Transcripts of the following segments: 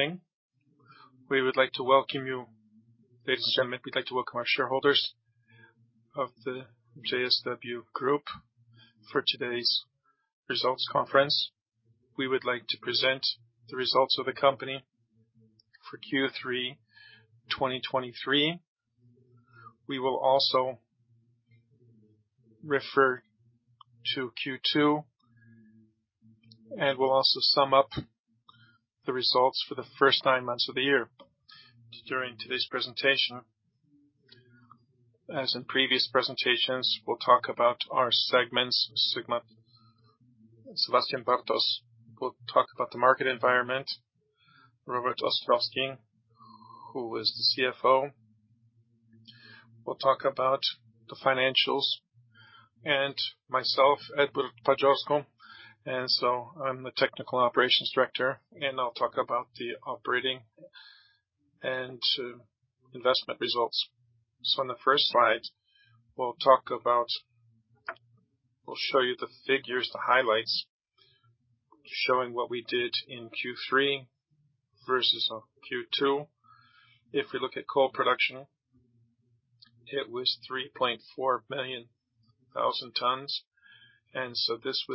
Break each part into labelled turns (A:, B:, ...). A: Good morning. We would like to welcome you, ladies and gentlemen. We'd like to welcome our shareholders of the JSW Group for today's results conference. We would like to present the results of the company for Q3 2023. We will also refer to Q2, and we'll also sum up the results for the first nine months of the year. During today's presentation, as in previous presentations, we'll talk about our segments, Sebastian. Sebastian Bartos will talk about the market environment. Robert Ostrowski, who is the CFO, will talk about the financials. And myself, Edward Paździorko, and so I'm the Technical Operations Director, and I'll talk about the operating and investment results. On the first slide, we'll show you the figures, the highlights, showing what we did in Q3 versus Q2. If we look at coal production, it was 3.4 million tons, and so this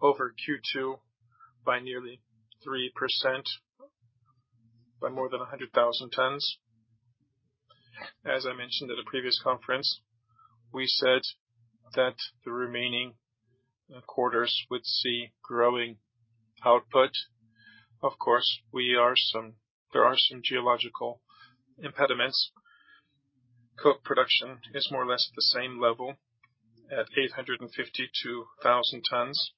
A: was up over Q2 by nearly 3%, by more than 100,000 tons. As I mentioned at a previous conference, we said that the remaining quarters would see growing output. Of course, there are some geological impediments. Coke production is more or less at the same level, at 852,000 tons.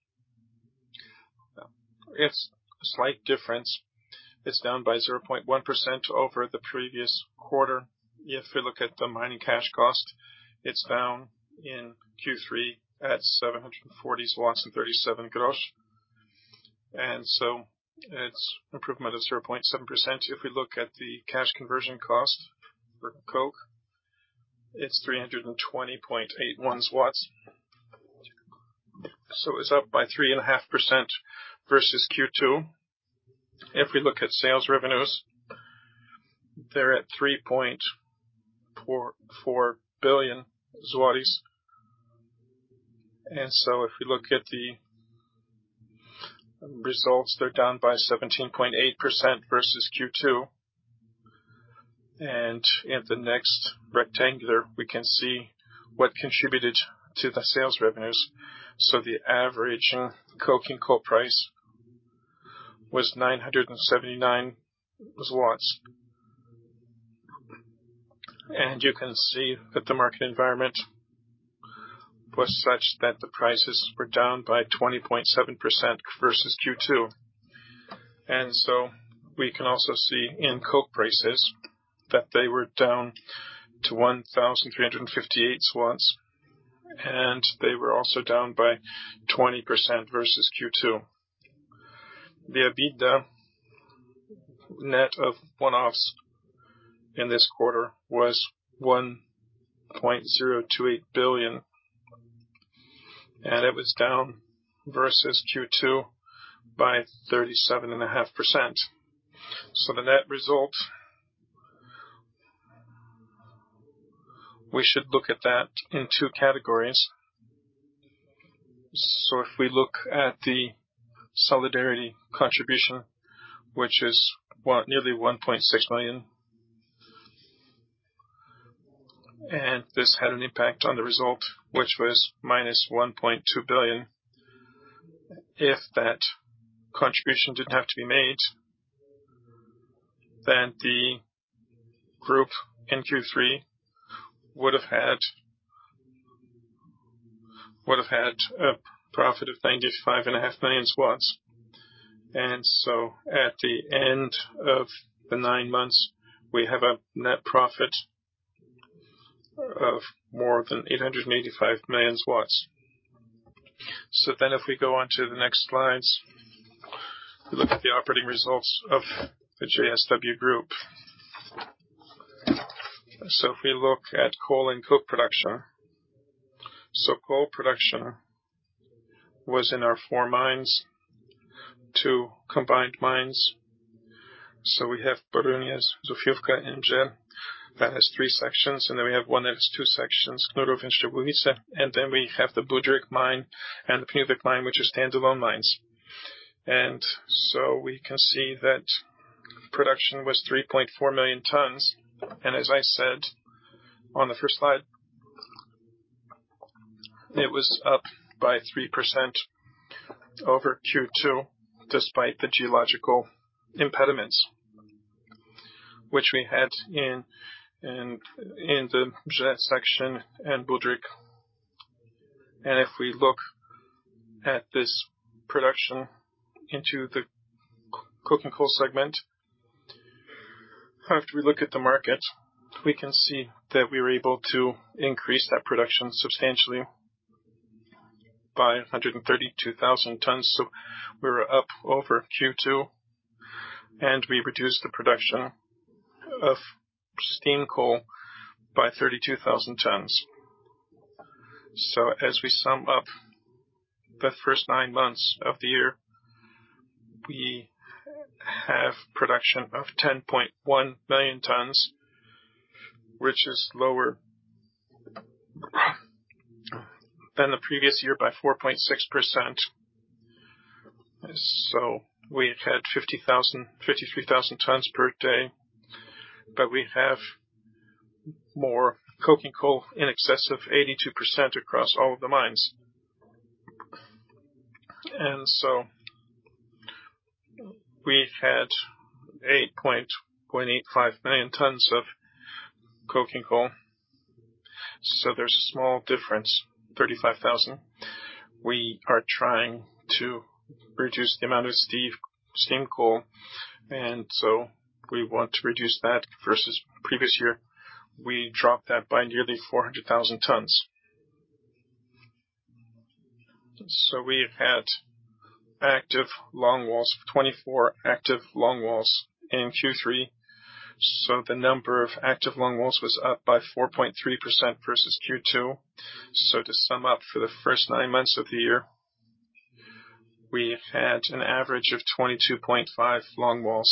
A: It's a slight difference. It's down by 0.1% over the previous quarter. If we look at the mining cash cost, it's down in Q3 at 740.37, and so it's improvement of 0.7%. If we look at the cash conversion cost for coke, it's 320.81. So it's up by 3.5% versus Q2. If we look at sales revenues, they're at PLN 3.44 billion. And so if we look at the results, they're down by 17.8% versus Q2. And in the next rectangle, we can see what contributed to the sales revenues. So the average coking coal price was PLN 979. And you can see that the market environment was such that the prices were down by 20.7% versus Q2. And so we can also see in coke prices that they were down to 1,358, and they were also down by 20% versus Q2. The EBITDA net of one-offs in this quarter was 1.028 billion, and it was down versus Q2 by 37.5%. So the net result, we should look at that in two categories. So if we look at the Solidarity Contribution, which is what? Nearly PLN 1.6 million. And this had an impact on the result, which was -1.2 billion. If that contribution didn't have to be made, then the group in Q3 would have had, would have had a profit of 95.5 million. And so at the end of the nine months, we have a net profit of more than 885 million. So then if we go on to the next slides, look at the operating results of the JSW Group. So if we look at coal and coke production, so coal production was in our four mines, two combined mines. So we have Borynia, Zofiówka, and Budryk. That has three sections, and then we have one that has two sections, Knurów and Szczygłowice, and then we have the Budryk mine and the Pniówek mine, which is standalone mines. And so we can see that production was 3.4 million tons, and as I said on the first slide, it was up by 3% over Q2, despite the geological impediments which we had in the Pniówek section and Budryk. And if we look at this production into the coking coal segment, after we look at the market, we can see that we were able to increase that production substantially by 132,000 tons. So we were up over Q2, and we reduced the production of steam coal by 32,000 tons. So as we sum up the first nine months of the year, we have production of 10.1 million tons, which is lower than the previous year by 4.6%. So we've had 53,000 tons per day, but we have more coking coal in excess of 82% across all of the mines. And so we've had 8.85 million tons of coking coal. So there's a small difference, 35,000. We are trying to reduce the amount of steam, steam coal, and so we want to reduce that versus previous year. We dropped that by nearly 400,000 tons. So we've had active longwalls, 24 active longwalls in Q3. So the number of active longwalls was up by 4.3% versus Q2. So to sum up, for the first nine months of the year, we've had an average of 22.5 longwalls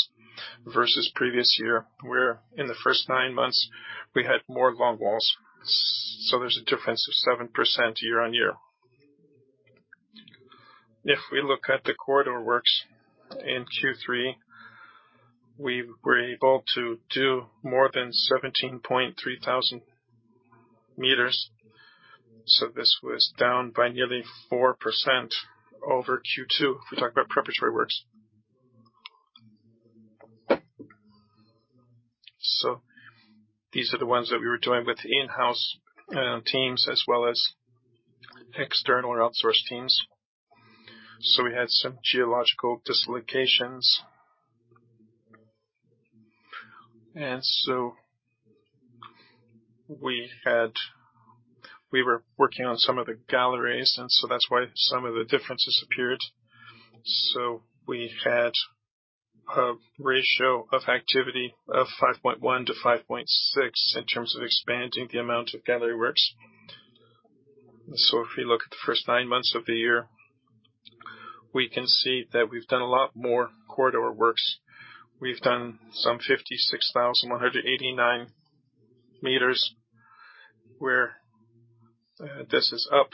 A: versus previous year, where in the first nine months we had more longwalls. So there's a difference of 7% year-on-year. If we look at the corridor works in Q3, we were able to do more than 17.3 thousand meters. So this was down by nearly 4% over Q2. If we talk about preparatory works. So these are the ones that we were doing with in-house teams as well as external or outsourced teams. So we had some geological dislocations. And so we were working on some of the galleries, and so that's why some of the differences appeared. So we had a ratio of activity of 5.1-5.6 in terms of expanding the amount of gallery works. So if we look at the first 9 months of the year, we can see that we've done a lot more corridor works. We've done some 56,189 meters, where this is up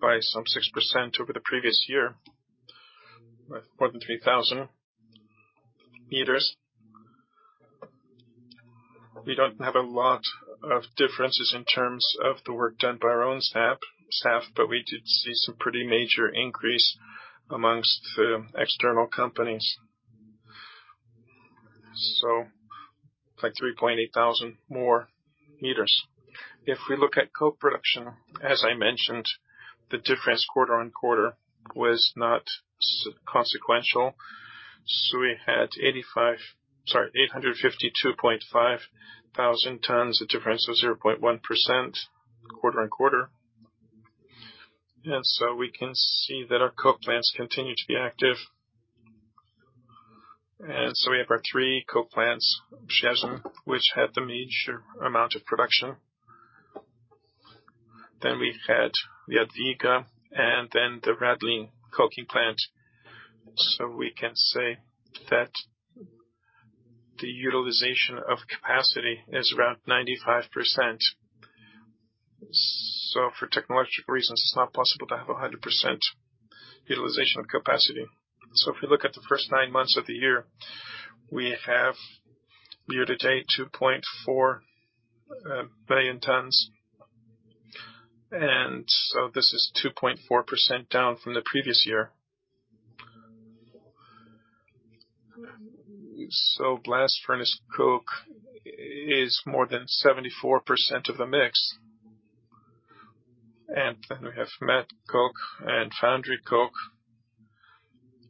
A: by some 6% over the previous year, with more than 3,000 meters. We don't have a lot of differences in terms of the work done by our own staff, but we did see some pretty major increase amongst the external companies. So like 3,800 more meters. If we look at coal production, as I mentioned, the difference quarter-on-quarter was not consequential. So we had 85... Sorry, 852.5 thousand tons, a difference of 0.1% quarter-on-quarter. We can see that our coke plants continue to be active. We have our three coke plants, Przyjaźń, which had the major amount of production. Then we had the Jadwiga and then the Radlin coking plant. We can say that the utilization of capacity is around 95%. For technological reasons, it's not possible to have 100% utilization of capacity. If we look at the first nine months of the year, we have year to date, 2.4 billion tons, and so this is 2.4% down from the previous year. Blast furnace coke is more than 74% of the mix. And then we have met coke and foundry coke,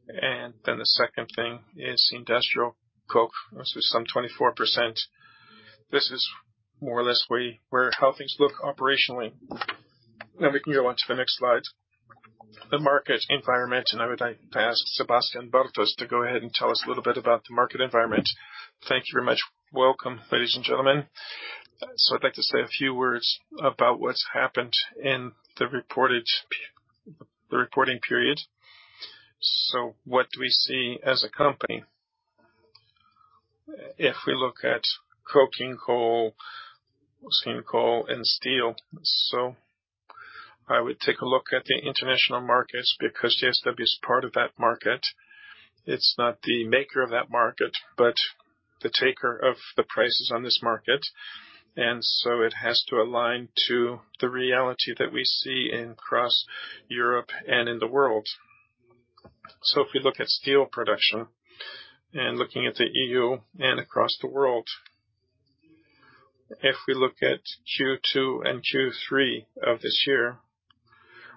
A: and then the second thing is industrial coke. This is some 24%. This is more or less where how things look operationally. Then we can go on to the next slide. The market environment, and I would like to ask Sebastian Bartos to go ahead and tell us a little bit about the market environment.
B: Thank you very much. Welcome, ladies and gentlemen. So I'd like to say a few words about what's happened in the reporting period. So what do we see as a company? If we look at coking coal, steam coal and steel. So I would take a look at the international markets, because JSW is part of that market. It's not the maker of that market, but the taker of the prices on this market, and so it has to align to the reality that we see in across Europe and in the world. So if we look at steel production and looking at the EU and across the world, if we look at Q2 and Q3 of this year,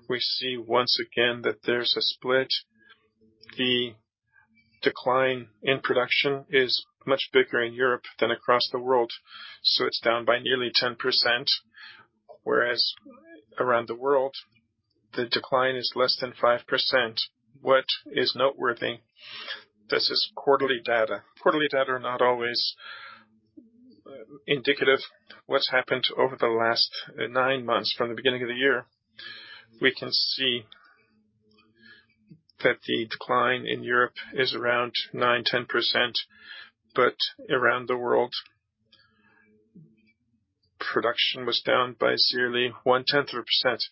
B: we see once again that there's a split. The decline in production is much bigger in Europe than across the world, so it's down by nearly 10%, whereas around the world, the decline is less than 5%. What is noteworthy, this is quarterly data. Quarterly data are not always indicative what's happened over the last nine months from the beginning of the year. We can see that the decline in Europe is around 9%-10%, but around the world, production was down by nearly 0.1%.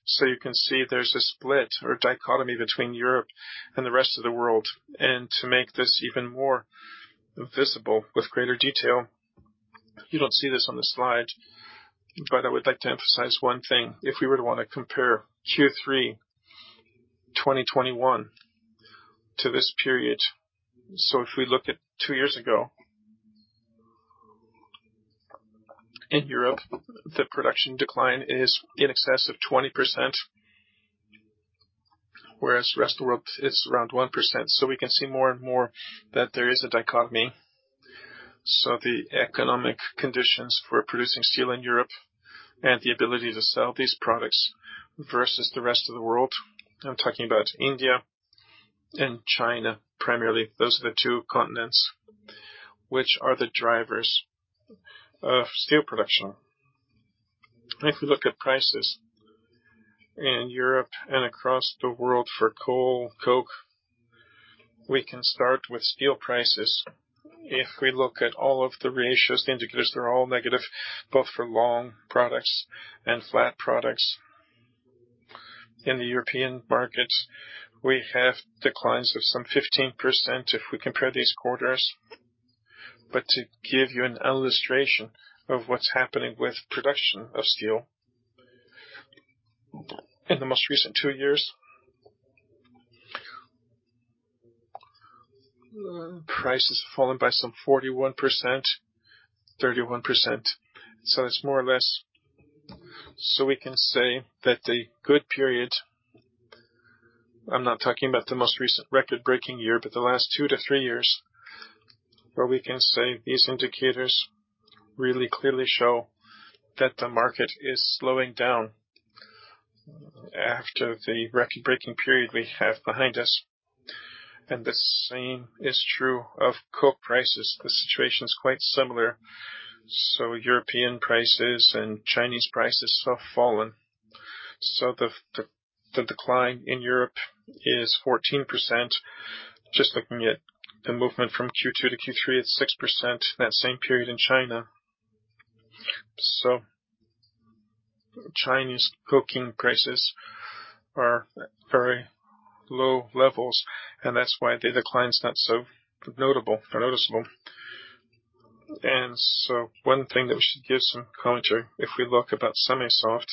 B: So you can see there's a split or dichotomy between Europe and the rest of the world. And to make this even more visible with greater detail, you don't see this on the slide, but I would like to emphasize one thing. If we were to want to compare Q3 2021 to this period, so if we look at two years ago, in Europe, the production decline is in excess of 20%, whereas the rest of the world, it's around 1%. So we can see more and more that there is a dichotomy. So the economic conditions for producing steel in Europe and the ability to sell these products versus the rest of the world, I'm talking about India and China, primarily. Those are the two continents which are the drivers of steel production. If we look at prices in Europe and across the world for coal, coke, we can start with steel prices. If we look at all of the ratios, the indicators, they're all negative, both for long products and flat products. In the European markets, we have declines of some 15% if we compare these quarters. But to give you an illustration of what's happening with production of steel, in the most recent two years, price has fallen by some 41%, 31%. So it's more or less... So we can say that the good period, I'm not talking about the most recent record-breaking year, but the last 2-3 years, where we can say these indicators really clearly show that the market is slowing down after the record-breaking period we have behind us, and the same is true of coke prices. The situation is quite similar, so European prices and Chinese prices have fallen. So the decline in Europe is 14%. Just looking at the movement from Q2 to Q3, it's 6%, that same period in China. So Chinese coking prices are at very low levels, and that's why the decline is not so notable or noticeable. And so one thing that we should give some commentary, if we look about semi-soft,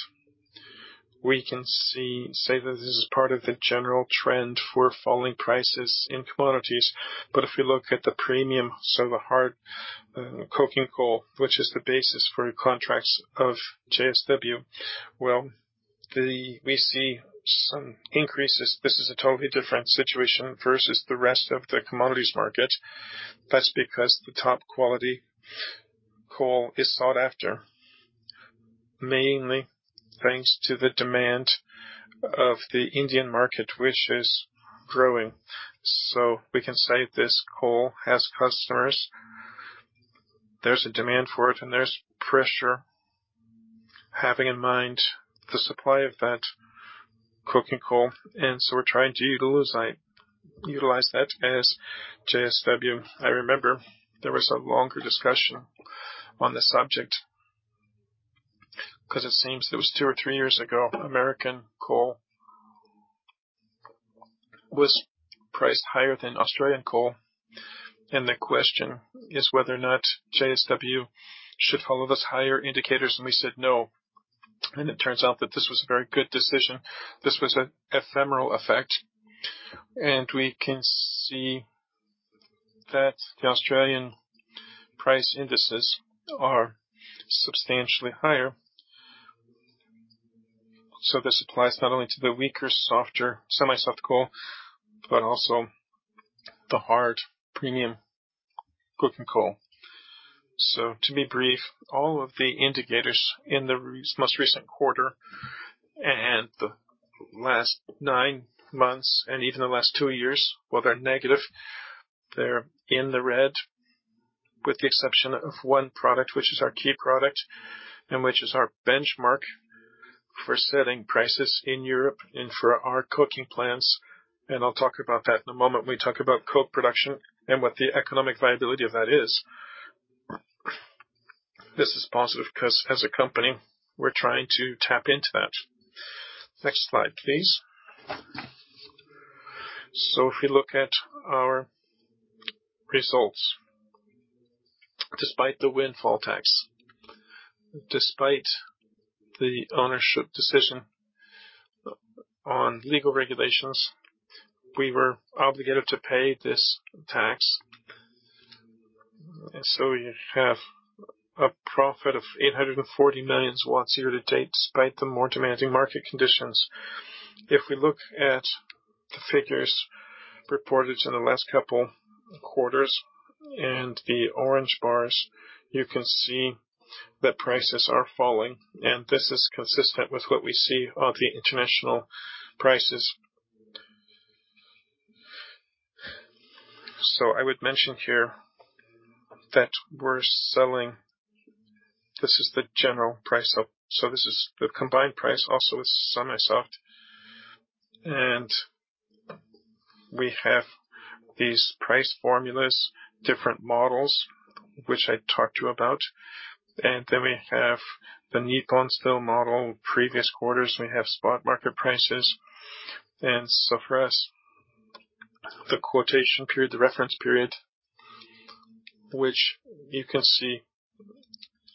B: we can see, say that this is part of the general trend for falling prices in commodities. But if we look at the premium, so the hard coking coal, which is the basis for contracts of JSW, well, the. We see some increases. This is a totally different situation versus the rest of the commodities market. That's because the top quality coal is sought after, mainly thanks to the demand of the Indian market, which is growing. So we can say this coal has customers, there's a demand for it, and there's pressure having in mind the supply of that coking coal, and so we're trying to utilize, utilize that as JSW. I remember there was a longer discussion on this subject, 'cause it seems it was two or three years ago, American coal was priced higher than Australian coal, and the question is whether or not JSW should follow those higher indicators, and we said no. And it turns out that this was a very good decision. This was an ephemeral effect, and we can see that the Australian price indices are substantially higher. So this applies not only to the weaker, softer, semi-soft coal, but also the hard premium coking coal. So to be brief, all of the indicators in the most recent quarter and the last 9 months, and even the last 2 years, well, they're negative. They're in the red, with the exception of one product, which is our key product, and which is our benchmark for setting prices in Europe and for our coking plants, and I'll talk about that in a moment when we talk about coke production and what the economic viability of that is. This is positive 'cause as a company, we're trying to tap into that. Next slide, please. So if we look at our results, despite the windfall tax, despite the ownership decision on legal regulations, we were obligated to pay this tax. And so we have a profit of 840 million year to date, despite the more demanding market conditions. If we look at the figures reported in the last couple quarters and the orange bars, you can see that prices are falling, and this is consistent with what we see on the international prices. So I would mention here that we're selling, this is the general price of—so this is the combined price also with semi-soft. And we have these price formulas, different models, which I talked to you about. And then we have the Nippon Steel model. Previous quarters, we have spot market prices, and so for us, the quotation period, the reference period, which you can see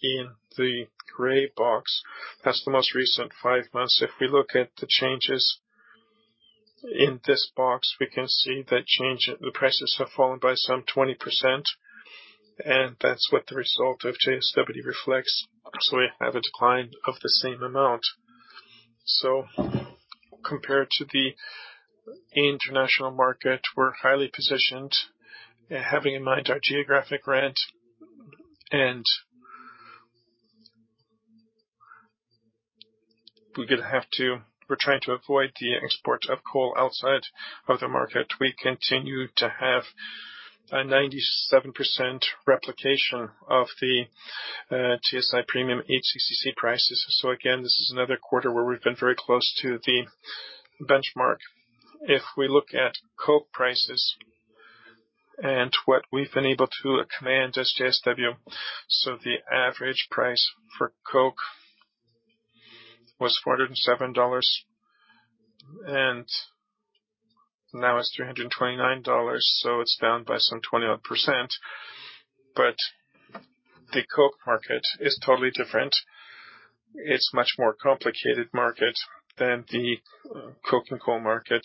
B: in the gray box, that's the most recent five months. If we look at the changes in this box, we can see that change, the prices have fallen by some 20%, and that's what the result of JSW reflects. So we have a decline of the same amount. So compared to the international market, we're highly positioned, having in mind our geographic rent, and we're gonna have to—we're trying to avoid the export of coal outside of the market. We continue to have a 97% replication of the TSI premium HCC prices. So again, this is another quarter where we've been very close to the benchmark. If we look at coke prices and what we've been able to command as JSW, so the average price for coke was $407, and now it's $329, so it's down by some 21%. But the coke market is totally different. It's much more complicated market than the coking coal market.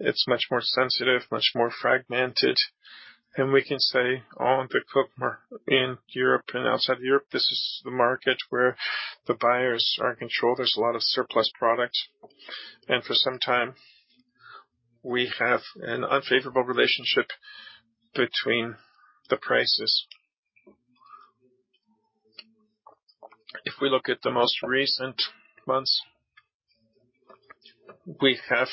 B: It's much more sensitive, much more fragmented, and we can say on the coke market in Europe and outside of Europe, this is the market where the buyers are in control. There's a lot of surplus product, and for some time, we have an unfavorable relationship between the prices. If we look at the most recent months, we have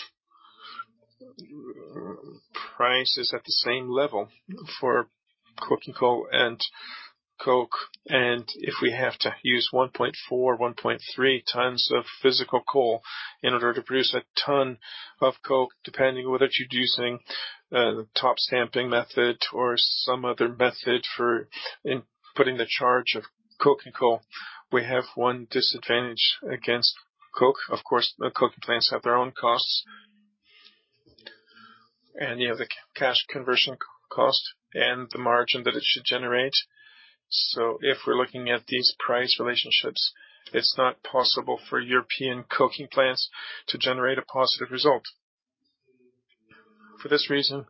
B: prices at the same level for coking coal and coke. And if we have to use 1.4, 1.3 times of physical coal in order to produce a ton of coke, depending on whether you're using the top stamping method or some other method for inputting the charge of coking coal, we have one disadvantage against coke. Of course, the coking plants have their own costs, and you have the cash conversion cost and the margin that it should generate. So if we're looking at these price relationships, it's not possible for European coking plants to generate a positive result. For this reason,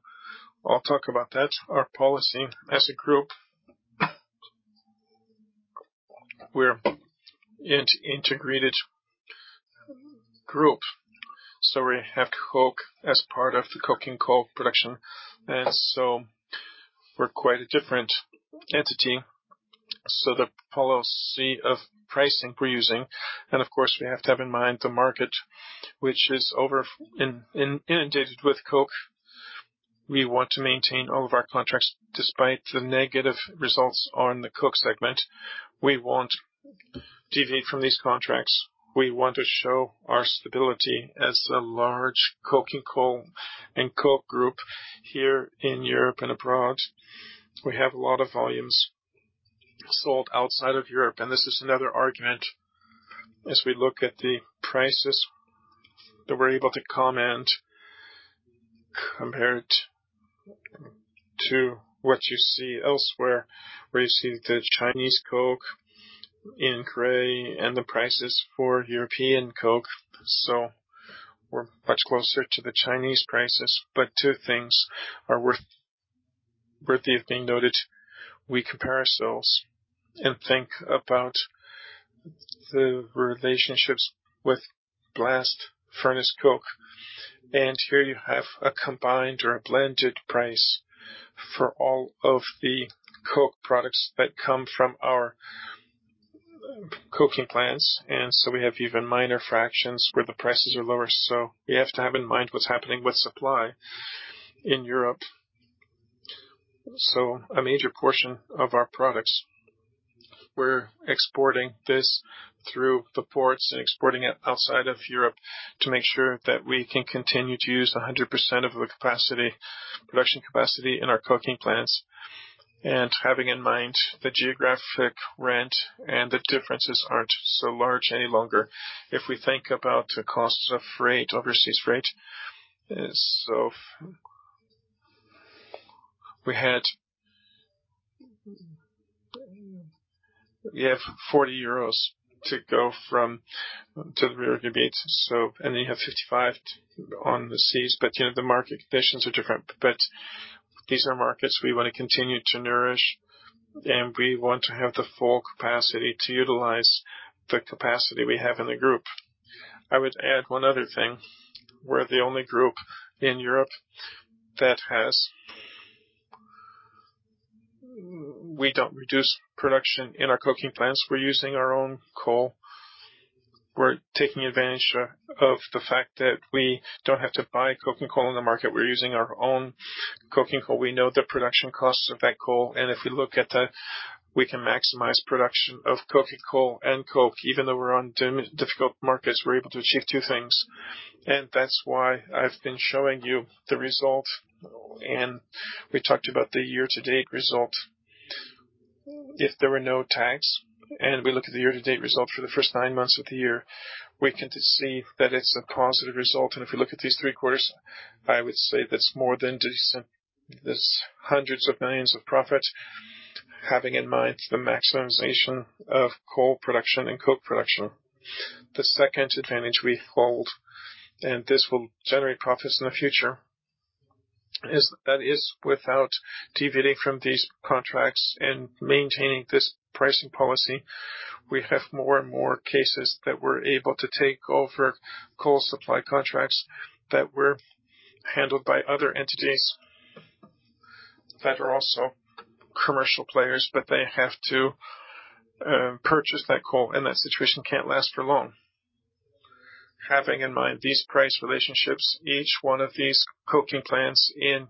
B: I'll talk about that, our policy as a group. We're an integrated group, so we have coke as part of the coking coal production, and so we're quite a different entity. So the policy of pricing we're using, and of course, we have to have in mind the market, which is over-inundated with coke. We want to maintain all of our contracts despite the negative results on the coke segment. We won't deviate from these contracts. We want to show our stability as a large coking coal and coke group here in Europe and abroad. We have a lot of volumes sold outside of Europe, and this is another argument. As we look at the prices that we're able to command, compared to what you see elsewhere, where you see the Chinese coke in gray and the prices for European coke. So we're much closer to the Chinese prices. But two things are worthy of being noted. We compare ourselves and think about the relationships with blast furnace coke. Here you have a combined or a blended price for all of the coke products that come from our coking plants. So we have even minor fractions where the prices are lower. So we have to have in mind what's happening with supply in Europe. So a major portion of our products, we're exporting this through the ports and exporting it outside of Europe to make sure that we can continue to use 100% of the capacity, production capacity in our coking plants. And having in mind the geographic rent and the differences aren't so large any longer. If we think about the costs of freight, overseas freight, we have 40 euros to go from to the river beach, so, and then you have 55 on the seas, but, you know, the market conditions are different. But these are markets we want to continue to nourish, and we want to have the full capacity to utilize the capacity we have in the group. I would add one other thing. We're the only group in Europe that has. We don't reduce production in our coking plants. We're using our own coal. We're taking advantage of the fact that we don't have to buy coking coal in the market. We're using our own coking coal. We know the production costs of that coal, and if we look at that, we can maximize production of coking coal and coke. Even though we're on difficult markets, we're able to achieve two things, and that's why I've been showing you the result. We talked about the year-to-date result. If there were no tags, and we look at the year-to-date result for the first nine months of the year, we can just see that it's a positive result. If you look at these three quarters, I would say that's more than decent. There's hundreds of millions of profit, having in mind the maximization of coal production and coke production. The second advantage we hold, and this will generate profits in the future, is that without deviating from these contracts and maintaining this pricing policy, we have more and more cases that we're able to take over coal supply contracts that were handled by other entities that are also commercial players, but they have to purchase that coal, and that situation can't last for long. Having in mind these price relationships, each one of these coking plants in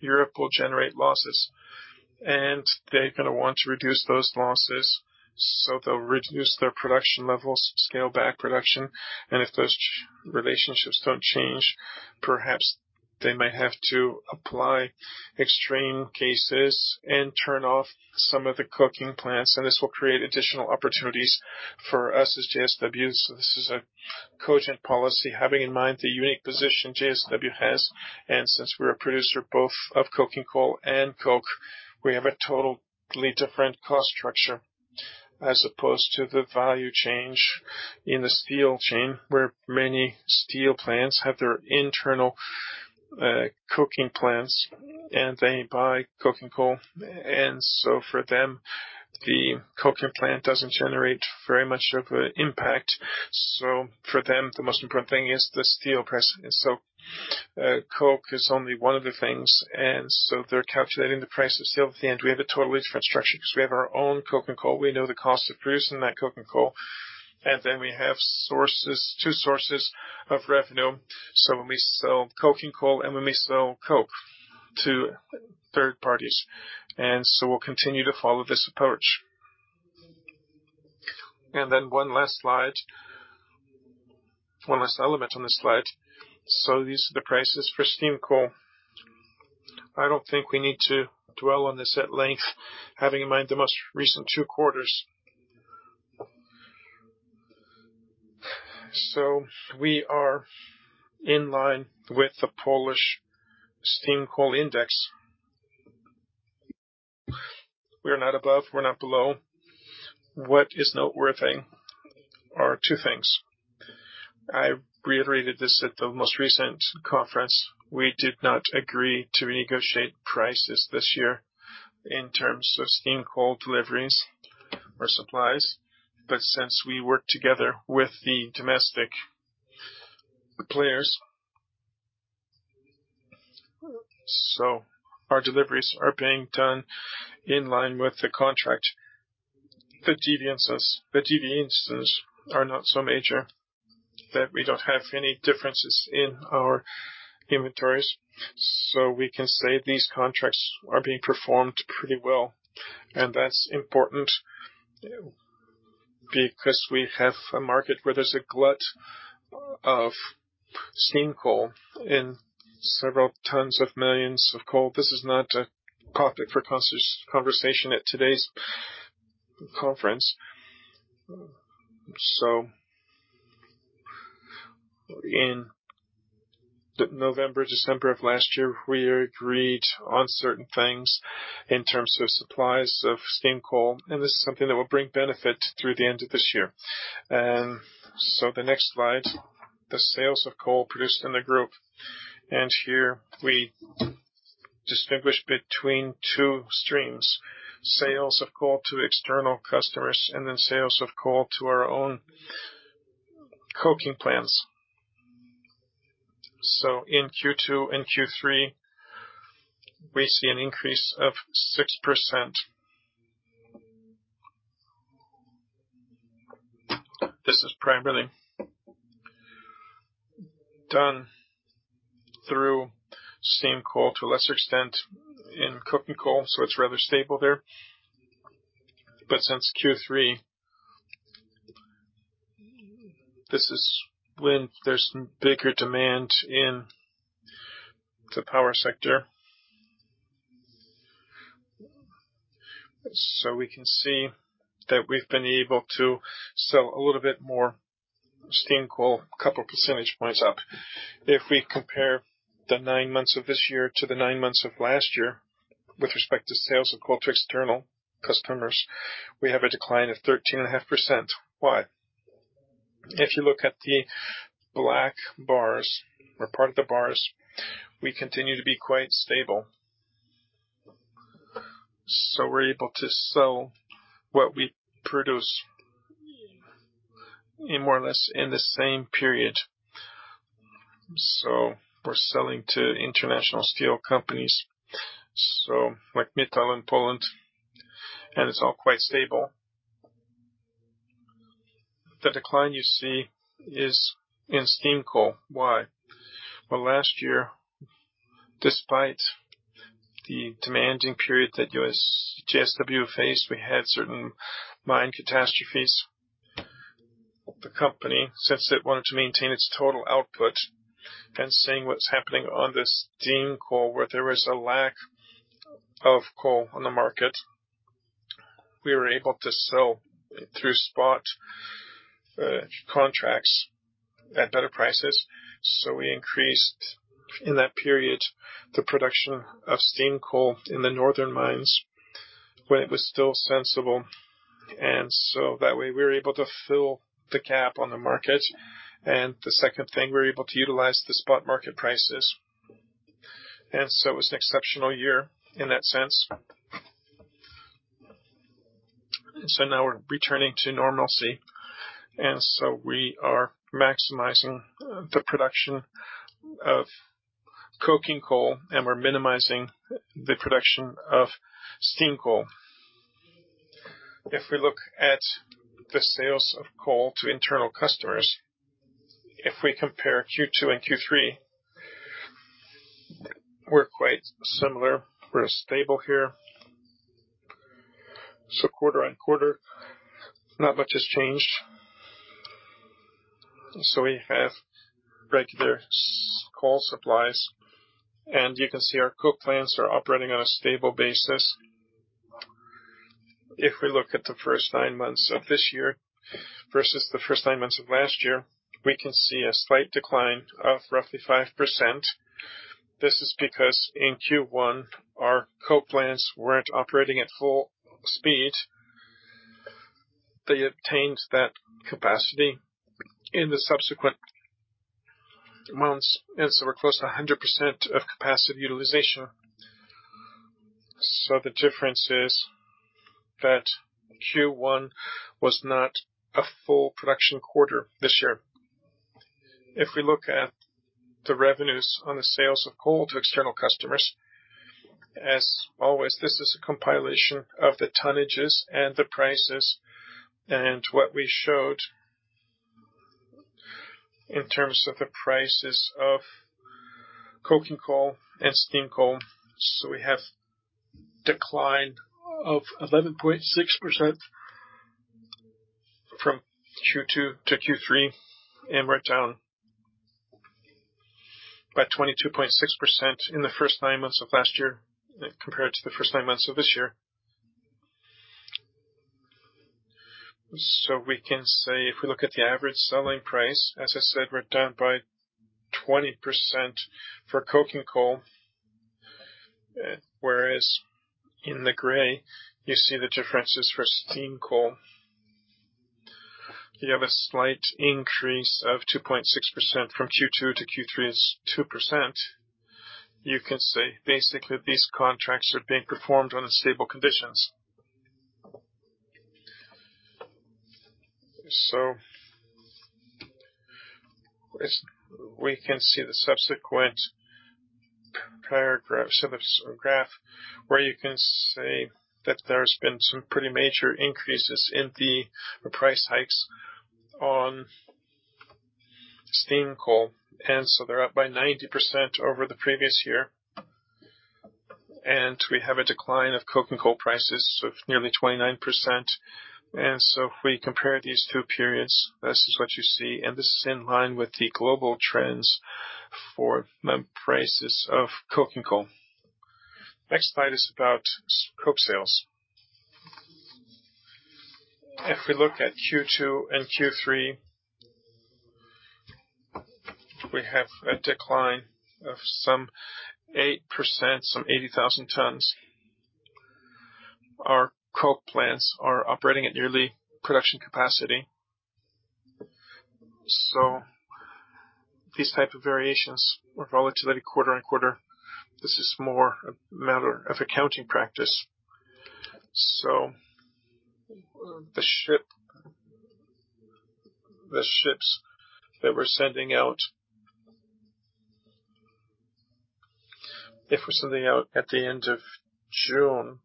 B: Europe will generate losses, and they're gonna want to reduce those losses, so they'll reduce their production levels, scale back production, and if those relationships don't change, perhaps they may have to apply extreme cases and turn off some of the coking plants, and this will create additional opportunities for us as JSW. So this is a cogent policy, having in mind the unique position JSW has, and since we're a producer both of coking coal and coke, we have a totally different cost structure as opposed to the value change in the steel chain, where many steel plants have their internal coking plants, and they buy coking coal. So for them, the coking plant doesn't generate very much of an impact. So for them, the most important thing is the steel price. And so, coke is only one of the things, and so they're calculating the price of steel at the end. We have a totally different structure because we have our own coking coal. We know the cost of producing that coking coal, and then we have sources, two sources of revenue. So when we sell coking coal and when we sell coke to third parties, and so we'll continue to follow this approach. And then one last slide. One last element on this slide. So these are the prices for steam coal. I don't think we need to dwell on this at length, having in mind the most recent two quarters. So we are in line with the Polish steam coal index. We are not above, we're not below. What is noteworthy are two things. I reiterated this at the most recent conference. We did not agree to renegotiate prices this year in terms of steam coal deliveries or supplies, but since we work together with the domestic players, so our deliveries are being done in line with the contract. The deviances, the deviances are not so major that we don't have any differences in our inventories. So we can say these contracts are being performed pretty well, and that's important because we have a market where there's a glut of steam coal in several million tons of coal. This is not a topic for conversation at today's conference. So in November, December of last year, we agreed on certain things in terms of supplies of steam coal, and this is something that will bring benefit through the end of this year. So the next slide, the sales of coal produced in the group, and here we distinguish between two streams, sales of coal to external customers and then sales of coal to our own coking plants. So in Q2 and Q3, we see an increase of 6%. This is primarily done through steam coal to a lesser extent in coking coal, so it's rather stable there. But since Q3, this is when there's bigger demand in the power sector. So we can see that we've been able to sell a little bit more steam coal, a couple percentage points up. If we compare the nine months of this year to the nine months of last year, with respect to sales of coal to external customers, we have a decline of 13.5%. Why? If you look at the black bars or part of the bars, we continue to be quite stable. So we're able to sell what we produce... in more or less in the same period. So we're selling to international steel companies, so like Mittal in Poland, and it's all quite stable. The decline you see is in steam coal. Why? Well, last year, despite the demanding period that JSW faced, we had certain mine catastrophes. The company, since it wanted to maintain its total output and seeing what's happening on the steam coal, where there was a lack of coal on the market, we were able to sell through spot contracts at better prices. So we increased, in that period, the production of steam coal in the northern mines when it was still sensible, and so that way, we were able to fill the gap on the market. The second thing, we were able to utilize the spot market prices. So it was an exceptional year in that sense. Now we're returning to normalcy, and so we are maximizing the production of coking coal, and we're minimizing the production of steam coal. If we look at the sales of coal to internal customers, if we compare Q2 and Q3, we're quite similar. We're stable here. So quarter-over-quarter, not much has changed. So we have regular steam coal supplies, and you can see our coke plants are operating on a stable basis. If we look at the first nine months of this year versus the first nine months of last year, we can see a slight decline of roughly 5%. This is because in Q1, our coke plants weren't operating at full speed. They obtained that capacity in the subsequent months, and so we're close to 100% of capacity utilization. So the difference is that Q1 was not a full production quarter this year. If we look at the revenues on the sales of coal to external customers, as always, this is a compilation of the tonnages and the prices and what we showed in terms of the prices of coking coal and steam coal. So we have declined of 11.6% from Q2 to Q3, and we're down by 22.6% in the first nine months of last year compared to the first nine months of this year. So we can say, if we look at the average selling price, as I said, we're down by 20% for coking coal, whereas in the gray you see the differences for steam coal. You have a slight increase of 2.6%, from Q2 to Q3 is 2%. You can say, basically, these contracts are being performed under stable conditions. So as we can see the subsequent paragraph, so this graph, where you can say that there's been some pretty major increases in the price hikes on steam coal, and so they're up by 90% over the previous year. We have a decline of coking coal prices of nearly 29%. So if we compare these two periods, this is what you see, and this is in line with the global trends for the prices of coking coal. Next slide is about coke sales. If we look at Q2 and Q3, we have a decline of some 8%, some 80,000 tons. Our coke plants are operating at nearly production capacity, so these type of variations are relatively quarter-over-quarter. This is more a matter of accounting practice. So, the ships that we're sending out... If we're sending out at the end of June,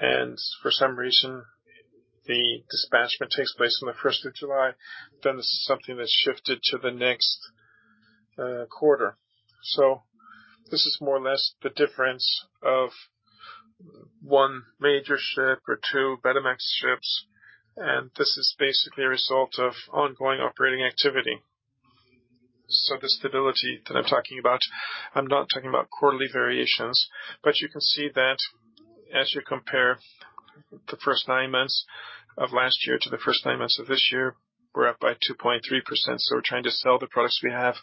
B: and for some reason, the dispatch takes place on the first of July, then this is something that's shifted to the next quarter. So this is more or less the difference of one major ship or two Panamax ships, and this is basically a result of ongoing operating activity. So the stability that I'm talking about, I'm not talking about quarterly variations, but you can see that as you compare the first nine months of last year to the first nine months of this year, we're up by 2.3%, so we're trying to sell the products we have.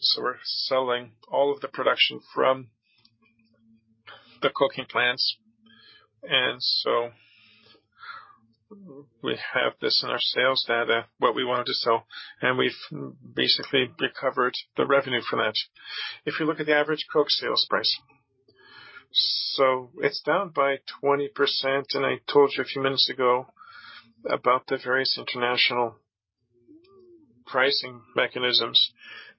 B: So we're selling all of the production from the coking plants, and so we have this in our sales data, what we wanted to sell, and we've basically recovered the revenue for that. If you look at the average coke sales price? So it's down by 20%, and I told you a few minutes ago about the various international pricing mechanisms.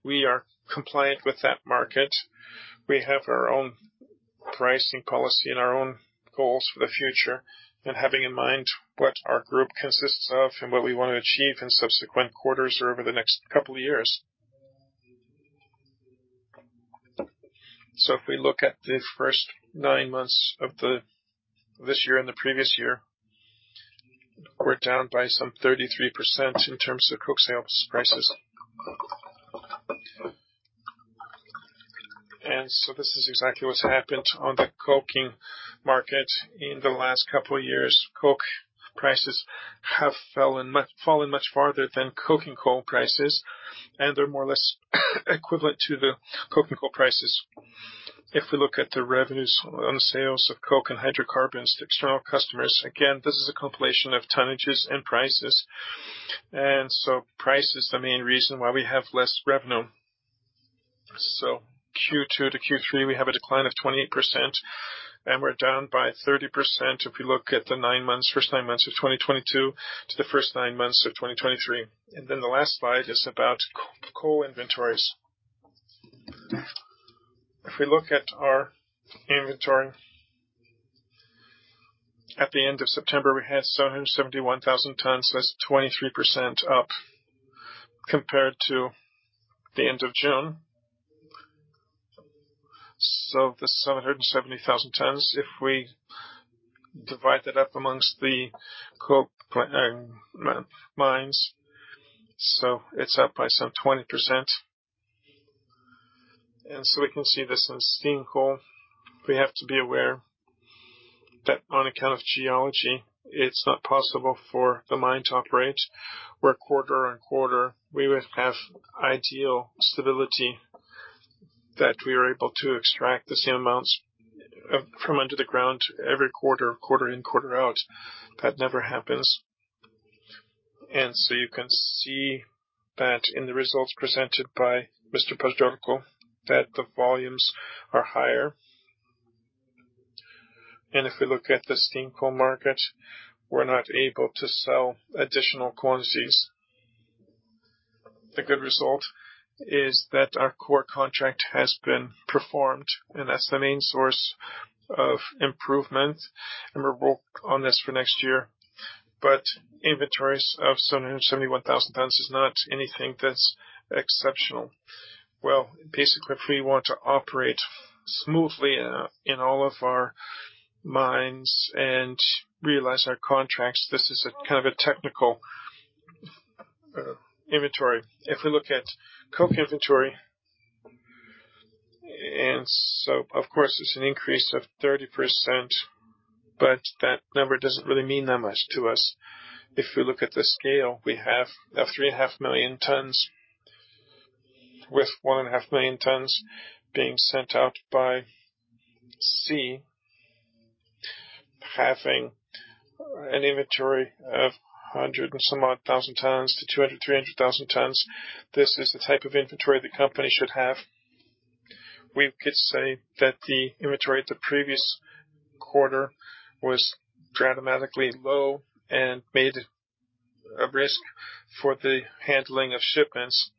B: We are compliant with that market. We have our own pricing policy and our own goals for the future, and having in mind what our group consists of and what we want to achieve in subsequent quarters or over the next couple of years. So if we look at the first nine months of this year and the previous year, we're down by some 33% in terms of coke sales prices. This is exactly what's happened on the coking market in the last couple of years. Coke prices have fallen much farther than coking coal prices, and they're more or less equivalent to the coking coal prices. If we look at the revenues on sales of coke and hydrocarbons to external customers, again, this is a compilation of tonnages and prices, and so price is the main reason why we have less revenue. Q2 to Q3, we have a decline of 28%, and we're down by 30% if we look at the nine months, first nine months of 2022 to the first nine months of 2023. Then the last slide is about coal inventories. If we look at our inventory, at the end of September, we had 771,000 tons. That's 23% up compared to the end of June. So this 770,000 tons, if we divide that up amongst the coke mines, so it's up by some 20%. And so we can see this in steam coal. We have to be aware that on account of geology, it's not possible for the mine to operate, where quarter-on-quarter, we would have ideal stability, that we are able to extract the same amounts from under the ground every quarter, quarter in, quarter out. That never happens. And so you can see that in the results presented by Mr. Paździorko, that the volumes are higher. And if we look at the steam coal market, we're not able to sell additional quantities. The good result is that our core contract has been performed, and that's the main source of improvement, and we'll work on this for next year. But inventories of 771,000 tons is not anything that's exceptional. Well, basically, if we want to operate smoothly in all of our mines and realize our contracts, this is a kind of a technical inventory. If we look at coke inventory, and so of course, there's an increase of 30%, but that number doesn't really mean that much to us. If we look at the scale, we have 3.5 million tons, with 1.5 million tons being sent out by sea, having an inventory of 100 and some odd thousand tons to 200-300 thousand tons. This is the type of inventory the company should have. We could say that the inventory the previous quarter was dramatically low and made a risk for the handling of shipments,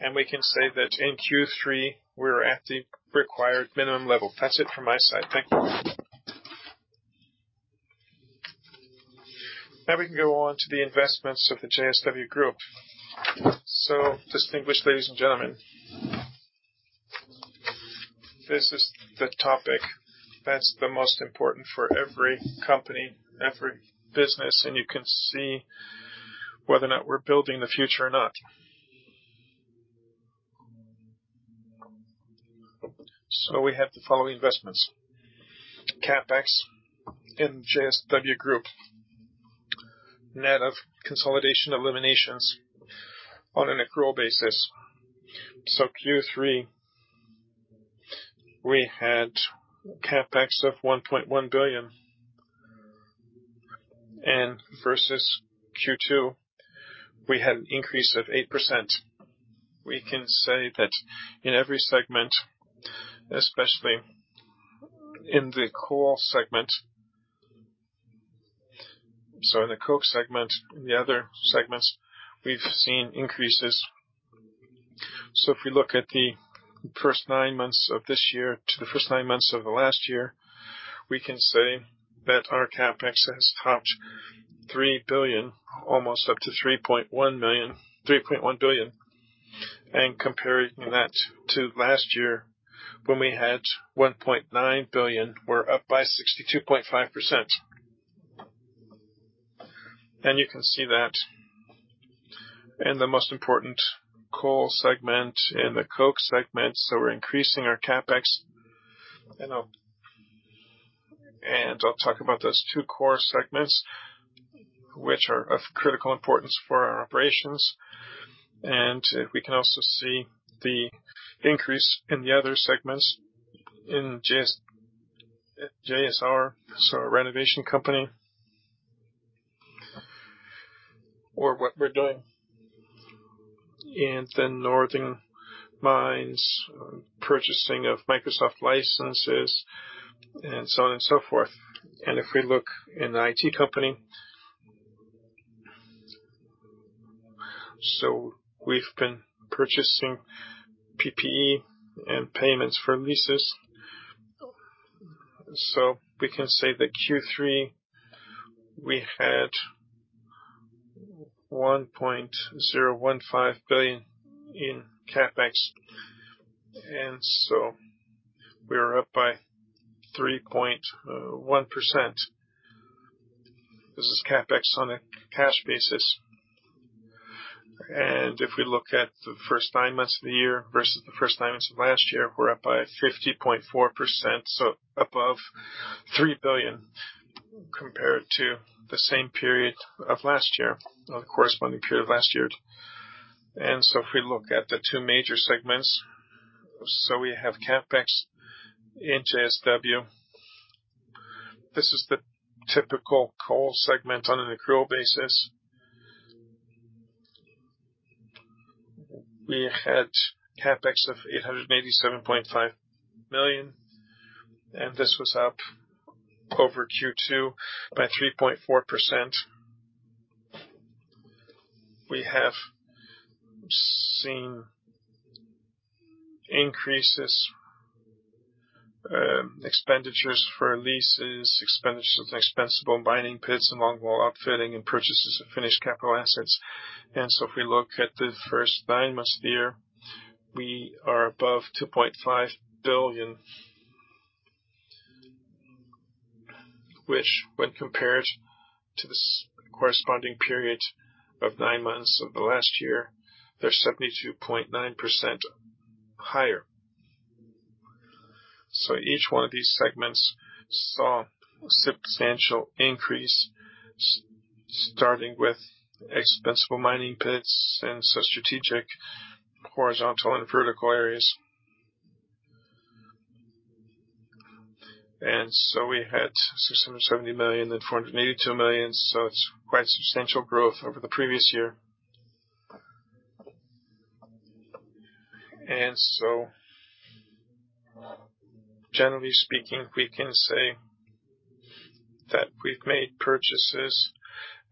B: and we can say that in Q3, we're at the required minimum level. That's it from my side. Thank you.
A: Now we can go on to the investments of the JSW Group. So distinguished ladies and gentlemen, this is the topic that's the most important for every company, every business, and you can see whether or not we're building the future or not. So we have the following investments, CapEx in JSW Group, net of consolidation eliminations on an accrual basis. So Q3, we had CapEx of 1.1 billion, and versus Q2, we had an increase of 8%. We can say that in every segment, especially in the coal segment... So in the coke segment, in the other segments, we've seen increases. So if we look at the first nine months of this year to the first nine months of last year, we can say that our CapEx has touched 3 billion, almost up to 3.1 million—3.1 billion. Comparing that to last year, when we had 1.9 billion, we're up by 62.5%. You can see that in the most important coal segment, in the coke segment, so we're increasing our CapEx, and I'll, and I'll talk about those two core segments, which are of critical importance for our operations. We can also see the increase in the other segments in JSW, so our renovation company... or what we're doing. And then Northern Mines, purchasing of Microsoft licenses, and so on and so forth. If we look in the IT company, we've been purchasing PPE and payments for leases. We can say that in Q3, we had 1.015 billion in CapEx, and we are up by 3.1%. This is CapEx on a cash basis. If we look at the first nine months of the year versus the first nine months of last year, we're up by 50.4%, so above 3 billion compared to the same period of last year, or the corresponding period of last year. If we look at the two major segments, we have CapEx in JSW. This is the typical coal segment on an accrual basis. We had CapEx of 887.5 million, and this was up over Q2 by 3.4%. We have seen increases, expenditures for leases, expenditures of expandable mining pits, and longwall outfitting and purchases of finished capital assets. If we look at the first nine months of the year, we are above 2.5 billion. Which when compared to the corresponding period of nine months of the last year, they're 72.9% higher. Each one of these segments saw a substantial increase, starting with expandable mining pits and strategic, horizontal and vertical areas. We had 670 million, then 482 million, so it's quite substantial growth over the previous year. Generally speaking, we can say that we've made purchases,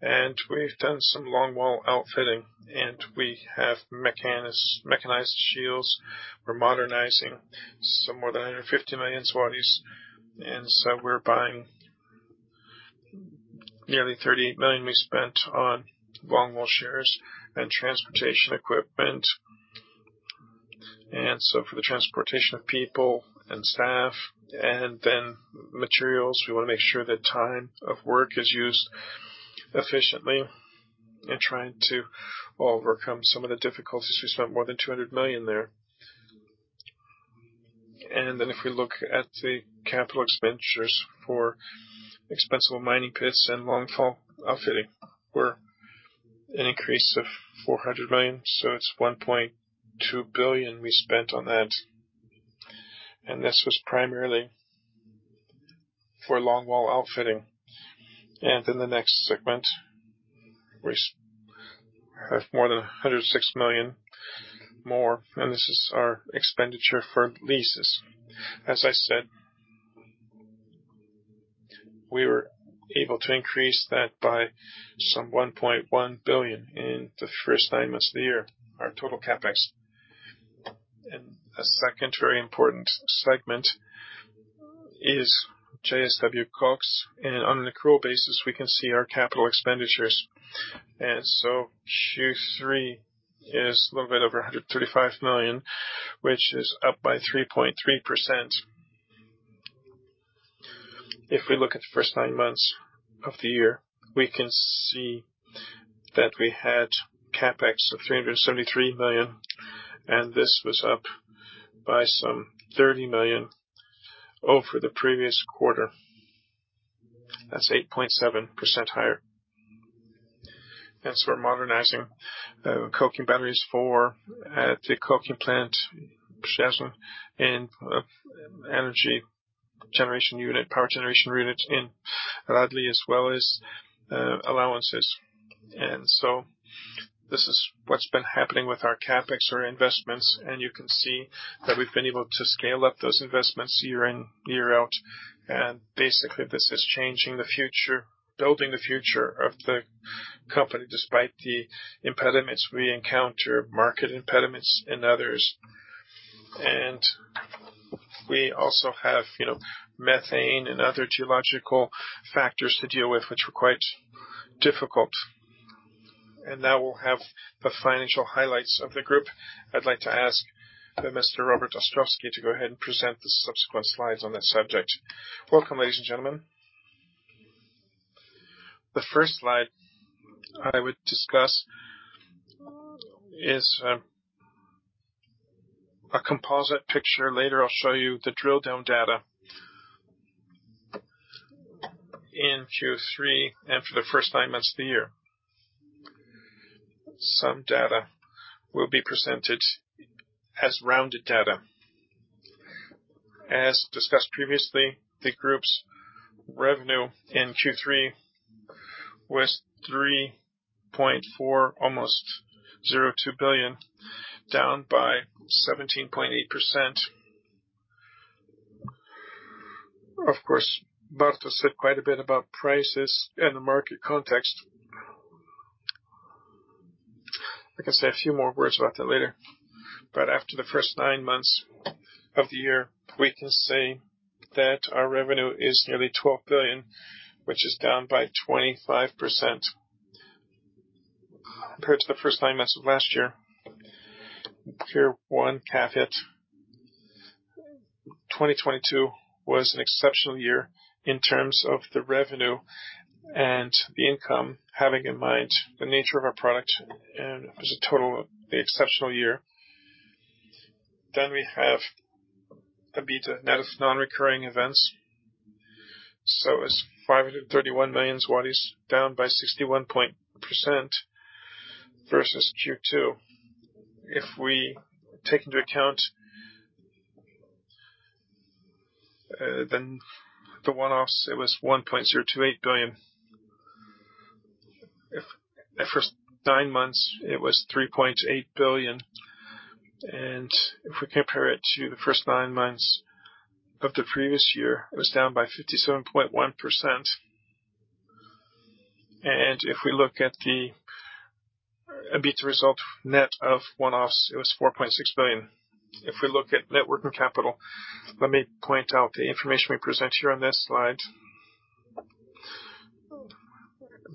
A: and we've done some longwall outfitting, and we have mechanized shields. We're modernizing some more than 150 million zlotys, and we're buying... Nearly 38 million we spent on longwall shearers and transportation equipment. So for the transportation of people and staff, and then materials, we want to make sure that time of work is used efficiently in trying to overcome some of the difficulties. We spent more than 200 million there. Then if we look at the capital expenditures for expandable mining pits and longwall outfitting, there was an increase of 400 million, so it's 1.2 billion we spent on that. And this was primarily for longwall outfitting. Then the next segment, we have more than 106 million more, and this is our expenditure for leases. As I said, we were able to increase that by some 1.1 billion in the first nine months of the year, our total CapEx. A second very important segment is JSW Koks, and on an accrual basis, we can see our capital expenditures. Q3 is a little bit over 135 million, which is up by 3.3%. If we look at the first nine months of the year, we can see that we had CapEx of 373 million, and this was up by some 30 million over the previous quarter. That's 8.7% higher. We're modernizing coking batteries for the coking plant, Przyjaźń, and energy generation unit, power generation units in Radlin, as well as allowances. This is what's been happening with our CapEx or investments, and you can see that we've been able to scale up those investments year in, year out. Basically, this is changing the future, building the future of the company, despite the impediments we encounter, market impediments and others. And we also have, you know, methane and other geological factors to deal with, which were quite difficult. And now we'll have the financial highlights of the group. I'd like to ask Mr. Robert Ostrowski to go ahead and present the subsequent slides on that subject.
C: Welcome, ladies and gentlemen. The first slide I would discuss is a composite picture. Later, I'll show you the drill down data in Q3 and for the first nine months of the year. Some data will be presented as rounded data.... As discussed previously, the group's revenue in Q3 was 3.402 billion, down by 17.8%. Of course, Bartos said quite a bit about prices and the market context. I can say a few more words about that later, but after the first nine months of the year, we can say that our revenue is nearly 12 billion, which is down by 25% compared to the first nine months of last year. Here, one caveat, 2022 was an exceptional year in terms of the revenue and the income, having in mind the nature of our product, and it was a total exceptional year. Then we have EBITDA, net of non-recurring events. So it's 531 million, down by 61% versus Q2. If we take into account, then the one-offs, it was 1.028 billion. If the first nine months, it was 3.8 billion, and if we compare it to the first nine months of the previous year, it was down by 57.1%. If we look at the EBITDA result, net of one-offs, it was 4.6 billion. If we look at net working capital, let me point out the information we present here on this slide.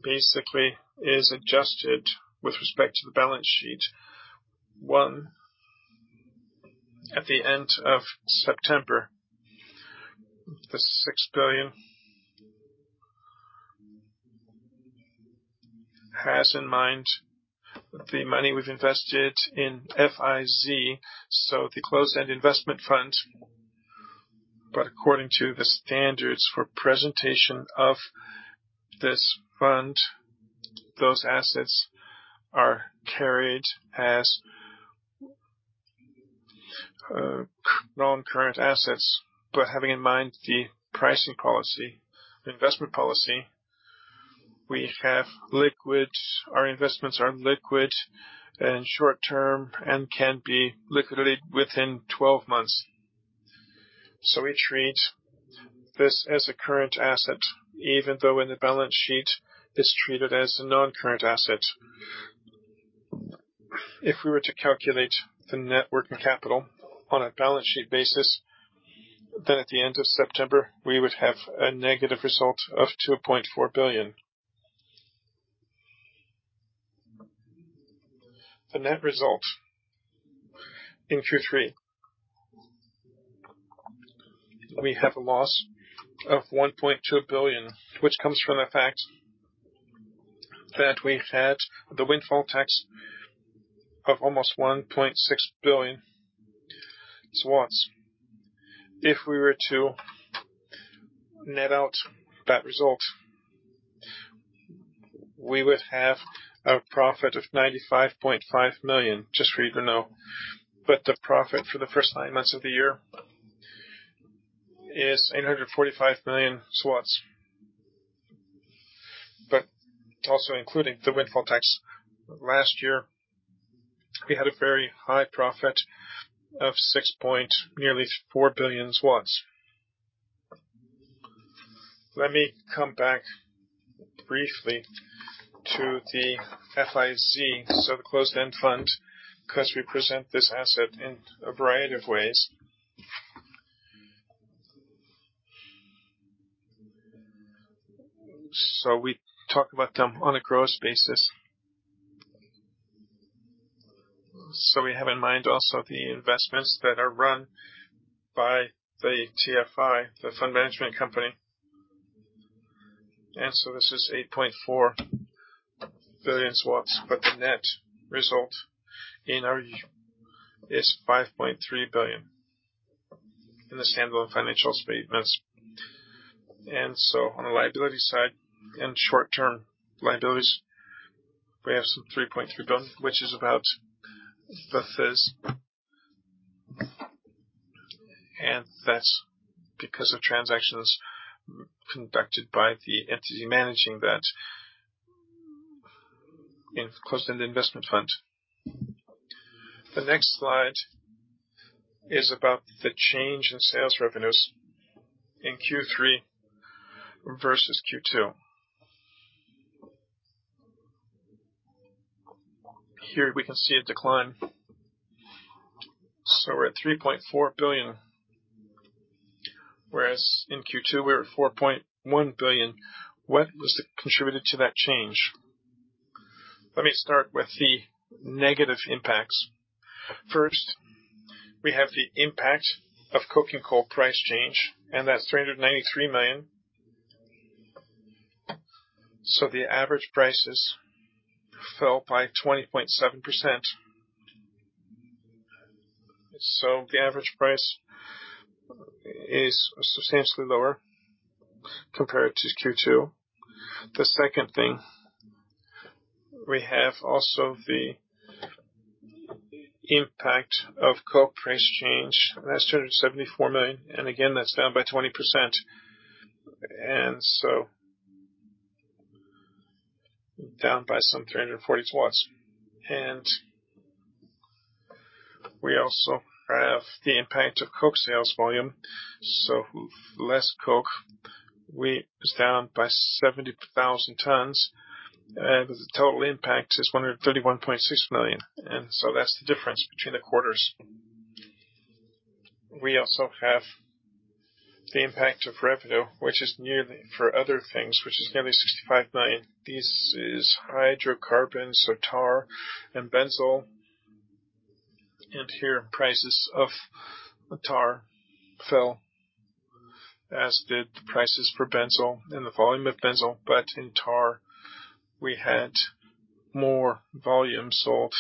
C: Basically, is adjusted with respect to the balance sheet at the end of September. The PLN 6 billion has in mind the money we've invested in FIZ, so the closed-end investment fund. But according to the standards for presentation of this fund, those assets are carried as non-current assets. But having in mind the pricing policy, investment policy, we have liquid, our investments are liquid and short term and can be liquidated within 12 months. So we treat this as a current asset, even though in the balance sheet, it's treated as a non-current asset. If we were to calculate the net working capital on a balance sheet basis, then at the end of September, we would have a negative result of 2.4 billion. The net result in Q3, we have a loss of 1.2 billion, which comes from the fact that we've had the windfall tax of almost PLN 1.6 billion. If we were to net out that result, we would have a profit of 95.5 million, just for you to know. But the profit for the first nine months of the year is PLN 845 million. But also including the windfall tax, last year, we had a very high profit of nearly 6.4 billion. Let me come back briefly to the FIZ, so the closed-end fund, 'cause we present this asset in a variety of ways. So we talk about them on a gross basis. So we have in mind also the investments that are run by the TFI, the fund management company. And so this is 8.4 billion, but the net result in our is 5.3 billion in the stand-alone financial statements. And so on the liability side, in short-term liabilities, we have some 3.3 billion, which is about the FIZ, and that's because of transactions conducted by the entity managing that in closed-end investment fund. The next slide is about the change in sales revenues in Q3 versus Q2. Here we can see a decline, so we're at 3.4 billion, whereas in Q2, we were at 4.1 billion. What was it contributed to that change? Let me start with the negative impacts. First, we have the impact of coking coal price change, and that's 393 million. So the average prices fell by 20.7%. So the average price is substantially lower compared to Q2. The second thing. We have also the impact of coke price change, that's PLN 274 million, and again, that's down by 20%. And so down by some 340 PLN. And we also have the impact of coke sales volume. So less coke is down by 70,000 tons, and the total impact is 131.6 million. And so that's the difference between the quarters. We also have the impact of revenue, which is nearly for other things, which is nearly 65 million. This is hydrocarbons, so tar and benzol. Here, prices of tar fell, as did the prices for benzol and the volume of benzol. But in tar, we had more volume sold,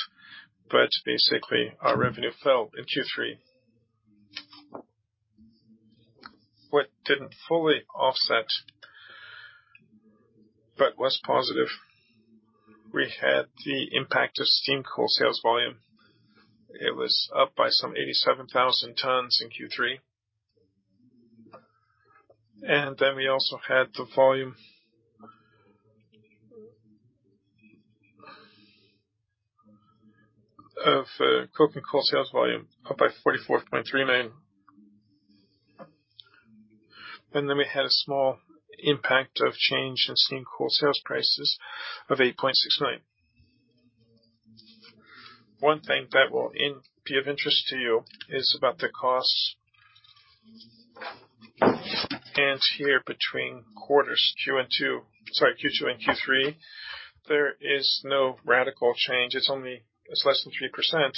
C: but basically, our revenue fell in Q3. What didn't fully offset, but was positive, we had the impact of steam coal sales volume. It was up by some 87,000 tons in Q3. And then we also had the volume of coke and coal sales volume, up by 44.3 million. And then we had a small impact of change in steam coal sales prices of 8.6 million. One thing that will be of interest to you is about the costs. And here, between quarters, Q2 and Q3, there is no radical change. It's only less than 3%.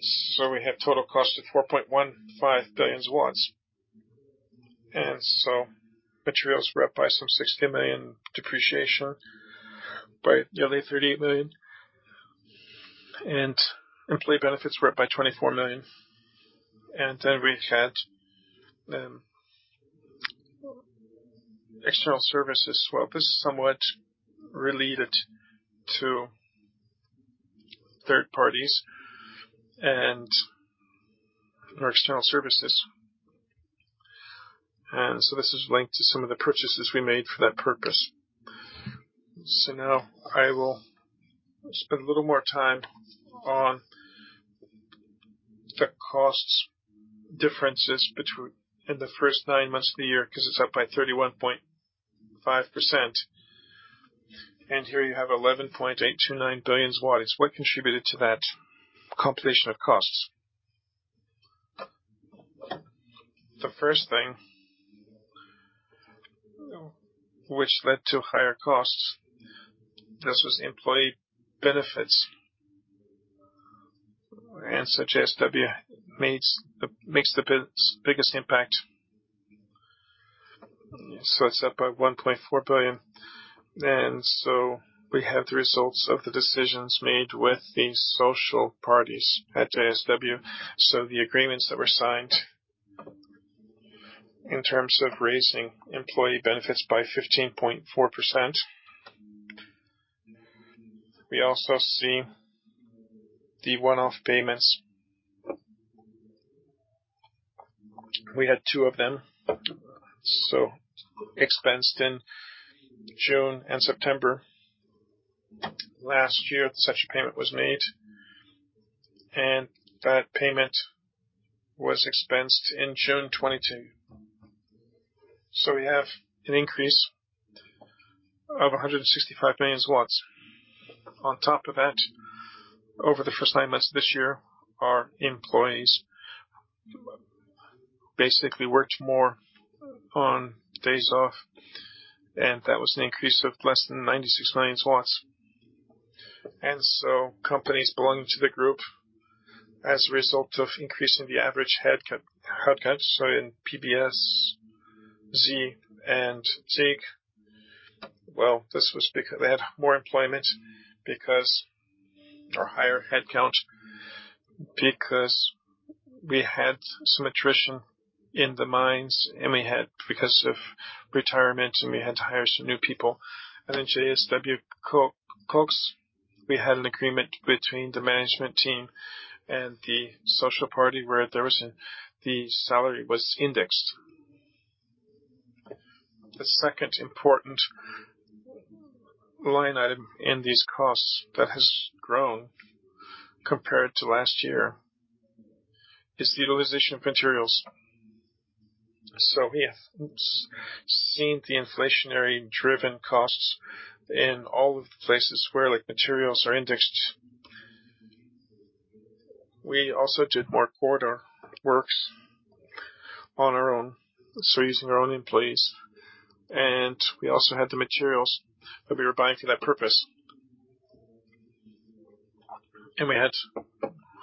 C: So we have total cost of 4.15 billion. And so materials were up by some 60 million, depreciation by nearly 38 million, and employee benefits were up by 24 million. And then we had external services. Well, this is somewhat related to third parties and our external services. And so this is linked to some of the purchases we made for that purpose. So now I will spend a little more time on the costs differences between in the first nine months of the year, 'cause it's up by 31.5%, and here you have 11.829 billion zlotys. What contributed to that compilation of costs? The first thing, which led to higher costs, this was employee benefits, and as such JSW makes the biggest impact. So it's up by 1.4 billion. And so we have the results of the decisions made with the social parties at JSW. So the agreements that were signed in terms of raising employee benefits by 15.4%. We also see the one-off payments. We had 2 of them, so expensed in June and September. Last year, such a payment was made, and that payment was expensed in June 2022. So we have an increase of 165 million. On top of that, over the first nine months of this year, our employees basically worked more on days off, and that was an increase of less than 96 million. And so companies belonging to the group, as a result of increasing the average headcount, headcount, so in PBSz, and SiG, well, this was because they had more employment, because... Or higher headcount, because we had some attrition in the mines, and we had, because of retirement, and we had to hire some new people. Then JSW Koks, we had an agreement between the management team and the social party, where there was an, the salary was indexed. The second important line item in these costs that has grown compared to last year is the utilization of materials. We have seen the inflationary-driven costs in all of the places where, like, materials are indexed. We also did more corridor works on our own, so using our own employees, and we also had the materials that we were buying for that purpose. We had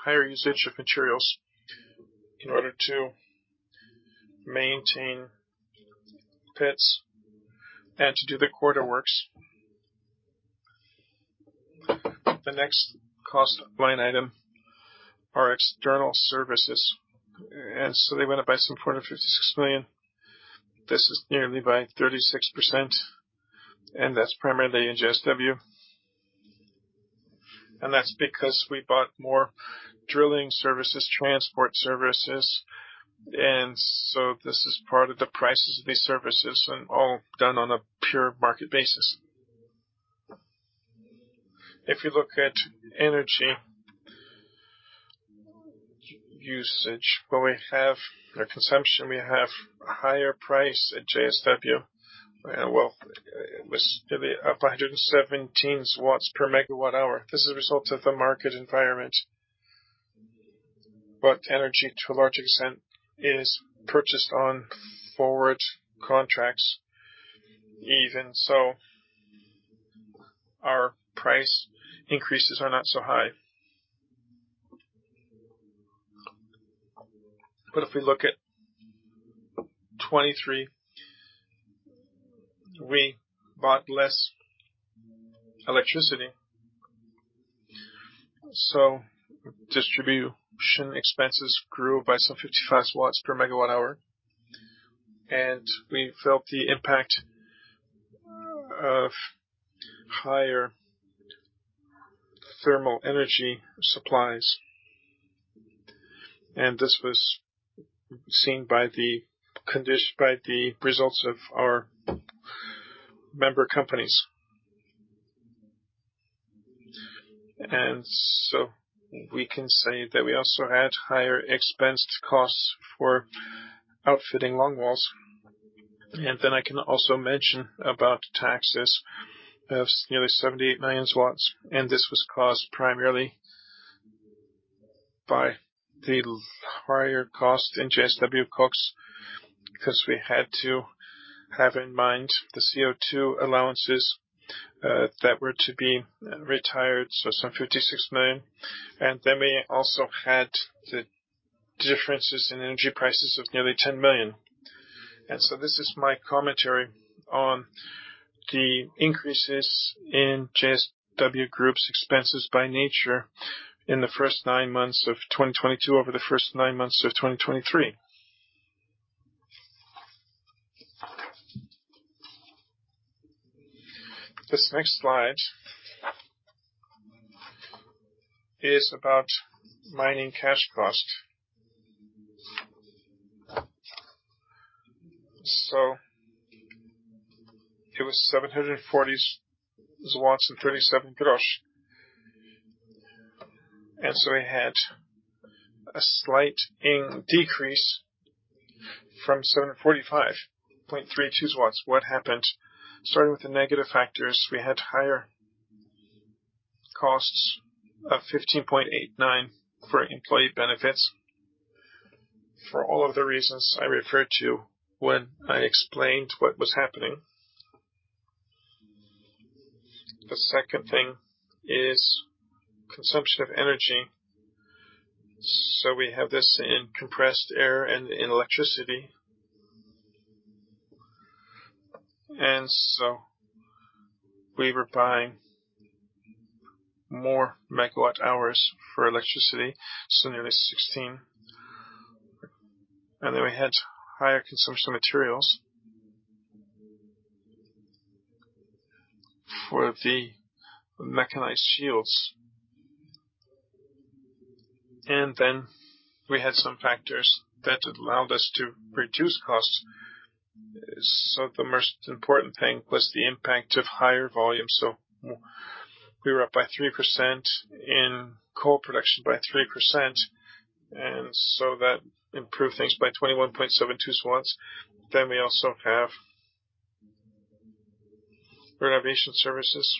C: higher usage of materials in order to maintain pits and to do the corridor works. The next cost line item are external services, and so they went up by some 456 million. This is nearly by 36%, and that's primarily in JSW. That's because we bought more drilling services, transport services, and so this is part of the prices of these services, and all done on a pure market basis. If you look at energy usage, where we have our consumption, we have a higher price at JSW. Well, it was nearly up to 117 per MWh. This is a result of the market environment, but energy, to a large extent, is purchased on forward contracts, even so our price increases are not so high. But if we look at 2023, we bought less electricity, so distribution expenses grew by some 55 per MWh, and we felt the impact of higher thermal energy supplies. And this was seen by the results of our member companies. And so we can say that we also had higher expense costs for outfitting long walls. I can also mention about taxes of nearly 78 million, and this was caused primarily by the higher cost in JSW Koks, because we had to have in mind the CO2 allowances that were to be retired. So some 56 million. And then we also had the differences in energy prices of nearly 10 million. And so this is my commentary on the increases in JSW Group's expenses by nature in the first nine months of 2022, over the first nine months of 2023. This next slide is about mining cash cost. So it was 740.37. And so we had a slight increase from 745.32. What happened? Starting with the negative factors, we had higher costs of 15.89 for employee benefits, for all of the reasons I referred to when I explained what was happening. The second thing is consumption of energy. We have this in compressed air and in electricity. We were buying more megawatt hours for electricity, so nearly 16. We had higher consumption materials, for the mechanized shields. We had some factors that allowed us to reduce costs. The most important thing was the impact of higher volume. We were up by 3% in coal production, by 3%, and so that improved things by 21.72. We also have renovation services,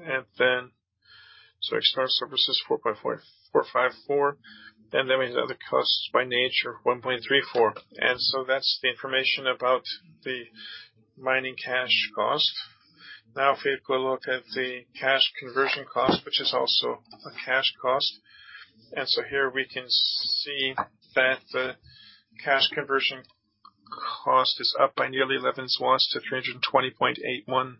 C: and external services, 4.454, and we have the costs by nature, 1.34. That's the information about the mining cash cost. Now, if we go look at the cash conversion cost, which is also a cash cost, and so here we can see that the cash conversion cost is up by nearly 11-320.81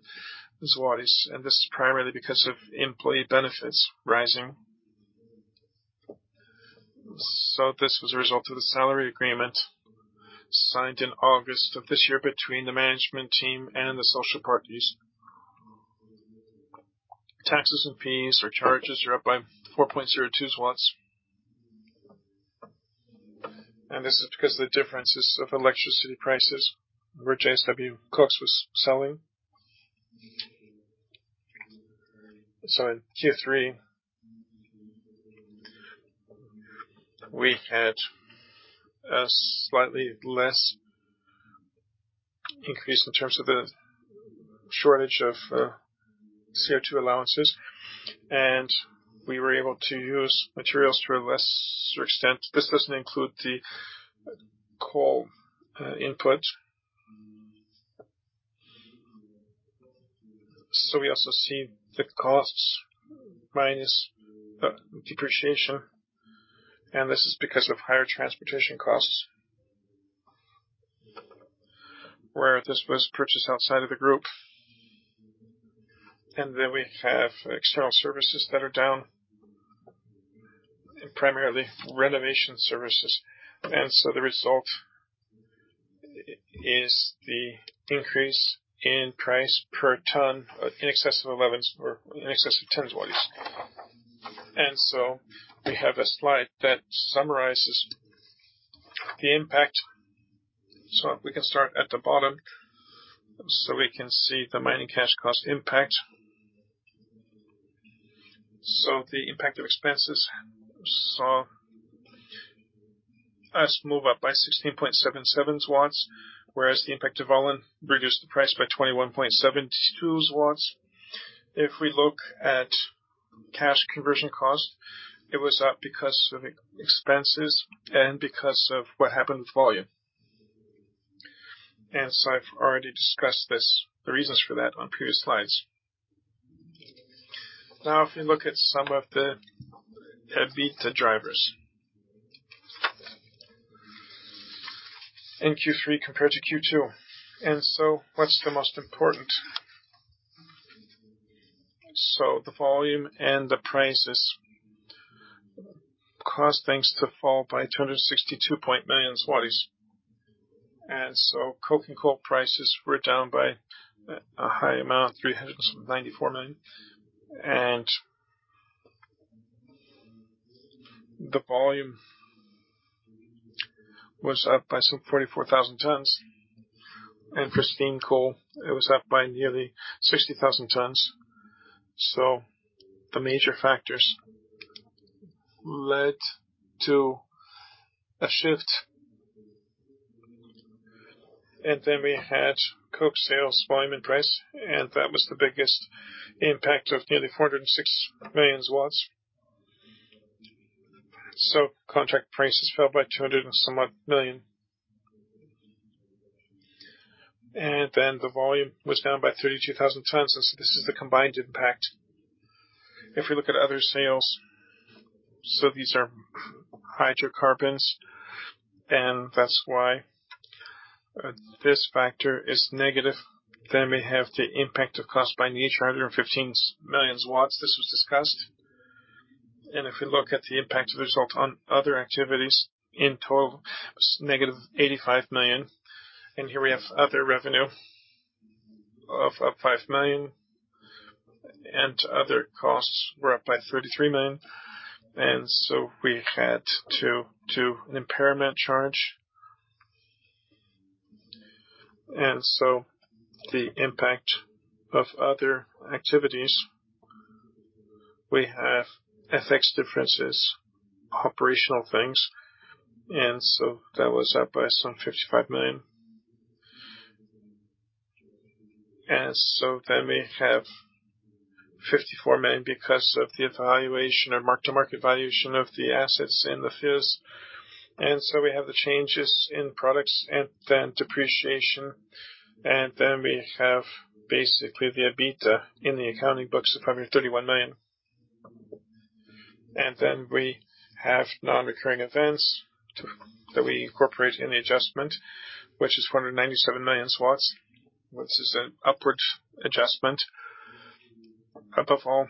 C: zlotys. And this is primarily because of employee benefits rising. So this was a result of the salary agreement signed in August of this year between the management team and the social parties. Taxes and fees or charges are up by 4.02 PLN. And this is because of the differences of electricity prices, where JSW Koks was selling. So in Q3, we had a slightly less increase in terms of the shortage of CO2 allowances, and we were able to use materials to a lesser extent. This doesn't include the coal input. We also see the costs minus depreciation, and this is because of higher transportation costs, where this was purchased outside of the group. Then we have external services that are down, and primarily renovation services. The result is the increase in price per ton, in excess of 11 or in excess of 10. We have a slide that summarizes the impact. We can start at the bottom, so we can see the Mining Cash Cost impact. The impact of expenses saw us move up by 16.77, whereas the impact of volume reduced the price by 21.72. If we look at Cash Conversion Cost, it was up because of expenses and because of what happened with volume. I've already discussed this, the reasons for that on previous slides. Now, if you look at some of the EBITDA drivers. In Q3 compared to Q2, and so what's the most important? So the volume and the prices caused things to fall by 262 million. And so coke and coal prices were down by a high amount, 394 million. And the volume was up by some 44,000 tons, and for steam coal, it was up by nearly 60,000 tons. So the major factors led to a shift. And then we had coke sales, volume, and price, and that was the biggest impact of nearly 406 million. So contract prices fell by 200-something million. And then the volume was down by 32,000 tons, and so this is the combined impact. If we look at other sales, so these are hydrocarbons, and that's why this factor is negative. We have the impact of cost by nature, 115 million. This was discussed. If we look at the impact of result on other activities, in total, negative 85 million. Here we have other revenue of up 5 million, and other costs were up by 33 million, and so we had to do an impairment charge. The impact of other activities, we have FX differences, operational things, and so that was up by some 55 million. We have 54 million because of the evaluation or mark-to-market valuation of the assets in the FIZ. We have the changes in products and then depreciation, and then we have basically the EBITDA in the accounting books is probably 31 million. Then we have non-recurring events to, that we incorporate in the adjustment, which is 497 million, which is an upward adjustment. Above all,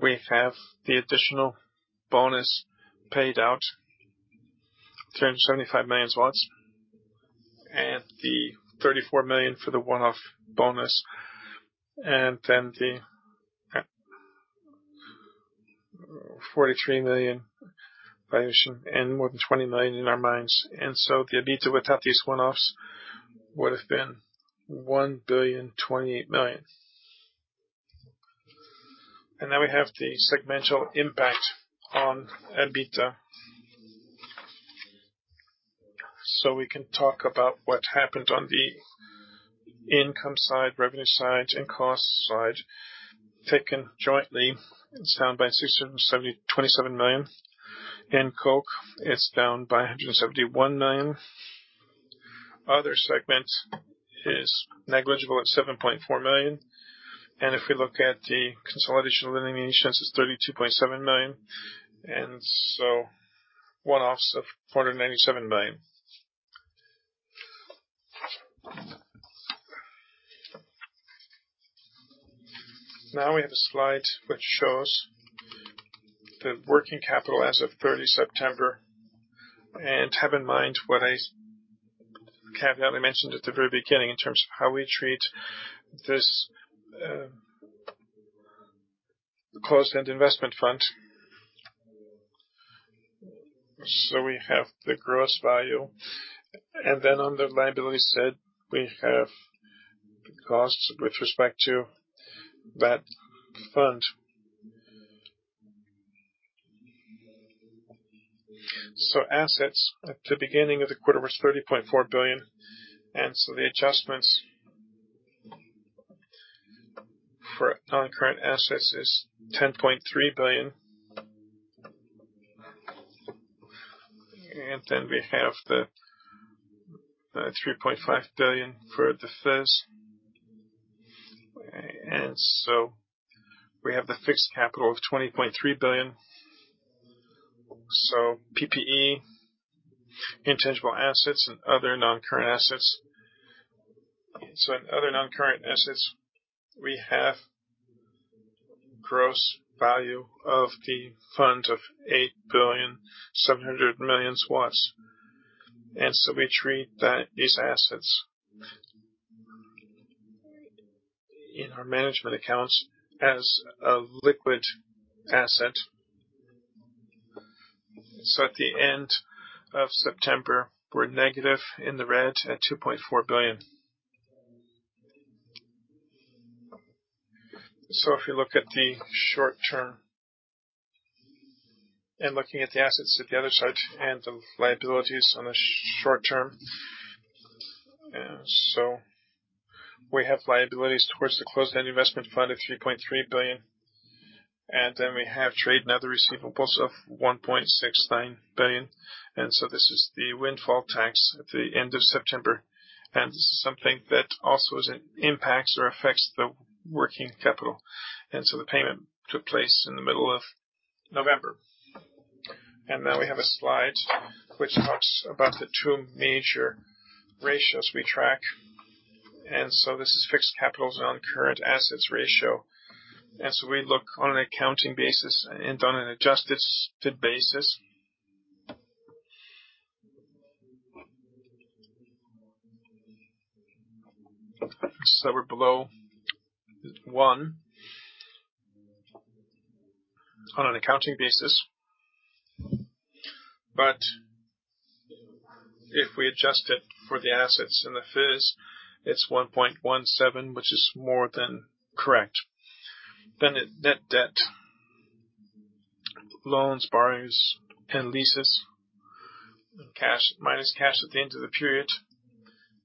C: we have the additional bonus paid out, 375 million, and the 34 million for the one-off bonus, and then the, forty-three million valuation and more than 20 million in our mines. So the EBITDA without these one-offs would have been 1.028 billion. Now we have the segmental impact on EBITDA. We can talk about what happened on the income side, revenue side, and cost side. Taken jointly, it's down by 677 million. In coke, it's down by 171 million. Other segments is negligible at 7.4 million, and if we look at the consolidation of eliminations, it's 32.7 million, and so one-offs of 497 million. Now we have a slide which shows the working capital as of 30 September. Have in mind what I cavalierly mentioned at the very beginning in terms of how we treat this closed-end investment fund. So we have the gross value, and then on the liability side, we have the costs with respect to that fund. So assets at the beginning of the quarter was 30.4 billion, and so the adjustments for non-current assets is 10.3 billion. And then we have the three point five billion for the FIZ. And so we have the fixed capital of 20.3 billion. So PPE, intangible assets, and other non-current assets. In other non-current assets, we have gross value of the fund of 8.7 billion. We treat that, these assets, in our management accounts as a liquid asset. At the end of September, we're negative in the red at 2.4 billion. If you look at the short term, and looking at the assets at the other side and the liabilities on the short term, we have liabilities towards the closed-end investment fund of 3.3 billion, and then we have trade and other receivables of 1.69 billion. This is the windfall tax at the end of September, and this is something that also is, impacts or affects the working capital. The payment took place in the middle of November. And now we have a slide which talks about the two major ratios we track. This is fixed capitals on current assets ratio. So we look on an accounting basis and on an adjusted basis. So we're below 1 on an accounting basis, but if we adjust it for the assets and the FIZ, it's 1.17, which is more than correct. Then it, net debt, loans, borrowings, and leases, cash, minus cash at the end of the period.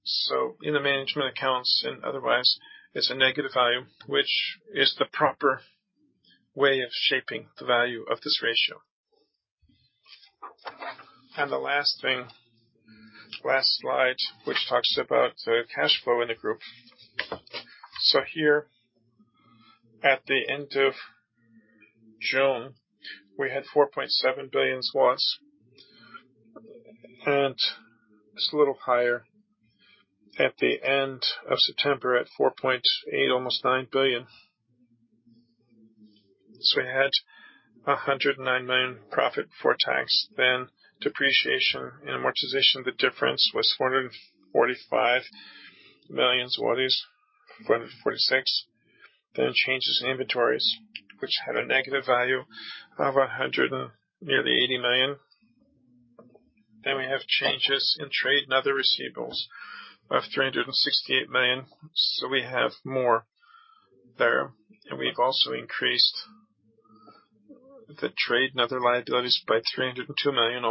C: So in the management accounts and otherwise, it's a negative value, which is the proper way of shaping the value of this ratio. The last thing, last slide, which talks about cash flow in the group. So here at the end of June, we had 4.7 billion, and it's a little higher at the end of September at 4.8, almost 9 billion. So we had 109 million profit before tax, then depreciation and amortization, the difference was 445 million-446 million zlotys. Then changes in inventories, which had a negative value of nearly 180 million. Then we have changes in trade and other receivables of 368 million. So we have more there, and we've also increased the trade and other liabilities by almost 302 million.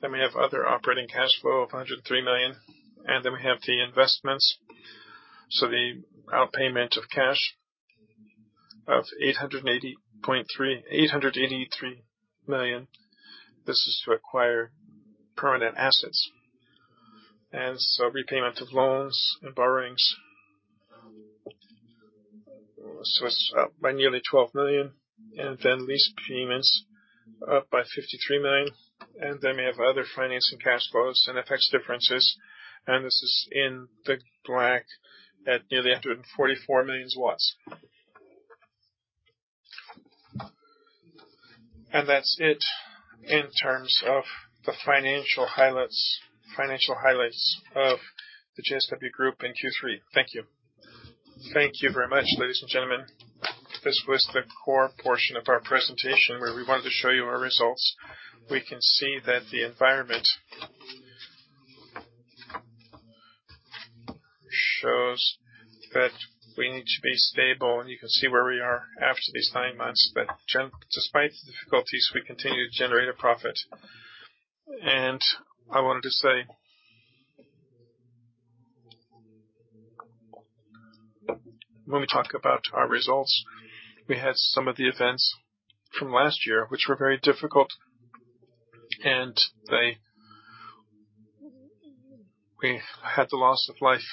C: Then we have other operating cash flow of 103 million, and then we have the investments. So the outpayment of cash of 883 million. This is to acquire permanent assets. Repayment of loans and borrowings, so it's up by nearly 12 million, and then lease payments are up by 53 million. Then we have other financing, cash flows, and FX differences, and this is in the black at nearly 144 million. That's it in terms of the financial highlights, financial highlights of the JSW Group in Q3. Thank you.
A: Thank you very much, ladies and gentlemen. This was the core portion of our presentation, where we wanted to show you our results. We can see that the environment shows that we need to be stable, and you can see where we are after these nine months. But despite the difficulties, we continue to generate a profit. And I wanted to say, when we talk about our results, we had some of the events from last year, which were very difficult, and they... We had the loss of life,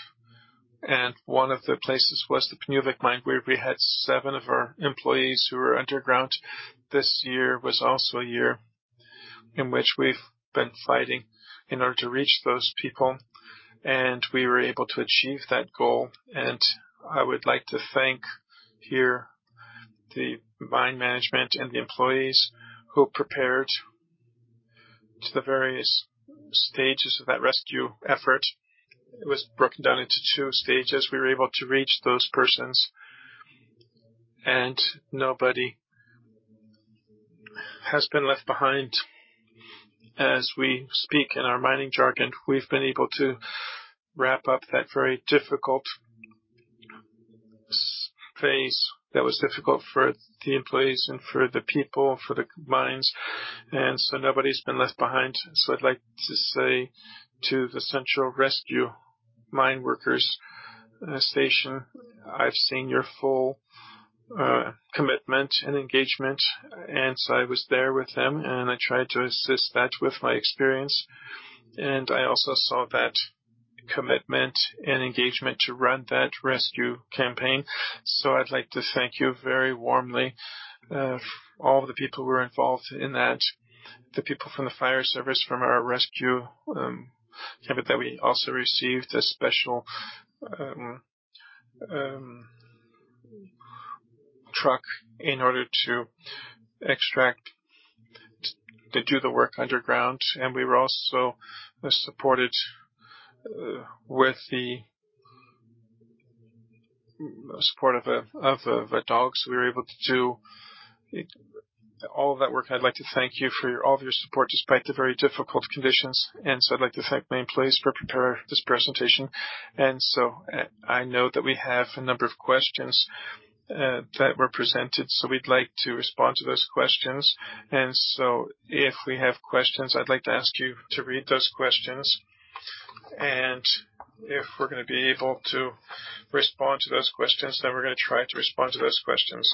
A: and one of the places was the Pniówek Mine, where we had seven of our employees who were underground. This year was also a year in which we've been fighting in order to reach those people, and we were able to achieve that goal. And I would like to thank here the mine management and the employees who prepared to the various stages of that rescue effort. It was broken down into two stages. We were able to reach those persons, and nobody has been left behind. As we speak in our mining jargon, we've been able to wrap up that very difficult phase. That was difficult for the employees and for the people, for the mines, and so nobody's been left behind. I'd like to say to the Central Rescue Mine Workers Station, I've seen your commitment and engagement. I was there with them, and I tried to assist that with my experience. I also saw that commitment and engagement to run that rescue campaign. I'd like to thank you very warmly, all the people who were involved in that, the people from the fire service, from our rescue, that we also received a special truck in order to extract, to do the work underground. We were also supported with the support of the, of the dogs. We were able to do it, all of that work. I'd like to thank you for all of your support, despite the very difficult conditions. And so I'd like to thank my employees for preparing this presentation. And so I know that we have a number of questions that were presented, so we'd like to respond to those questions. And so if we have questions, I'd like to ask you to read those questions, and if we're gonna be able to respond to those questions, then we're gonna try to respond to those questions.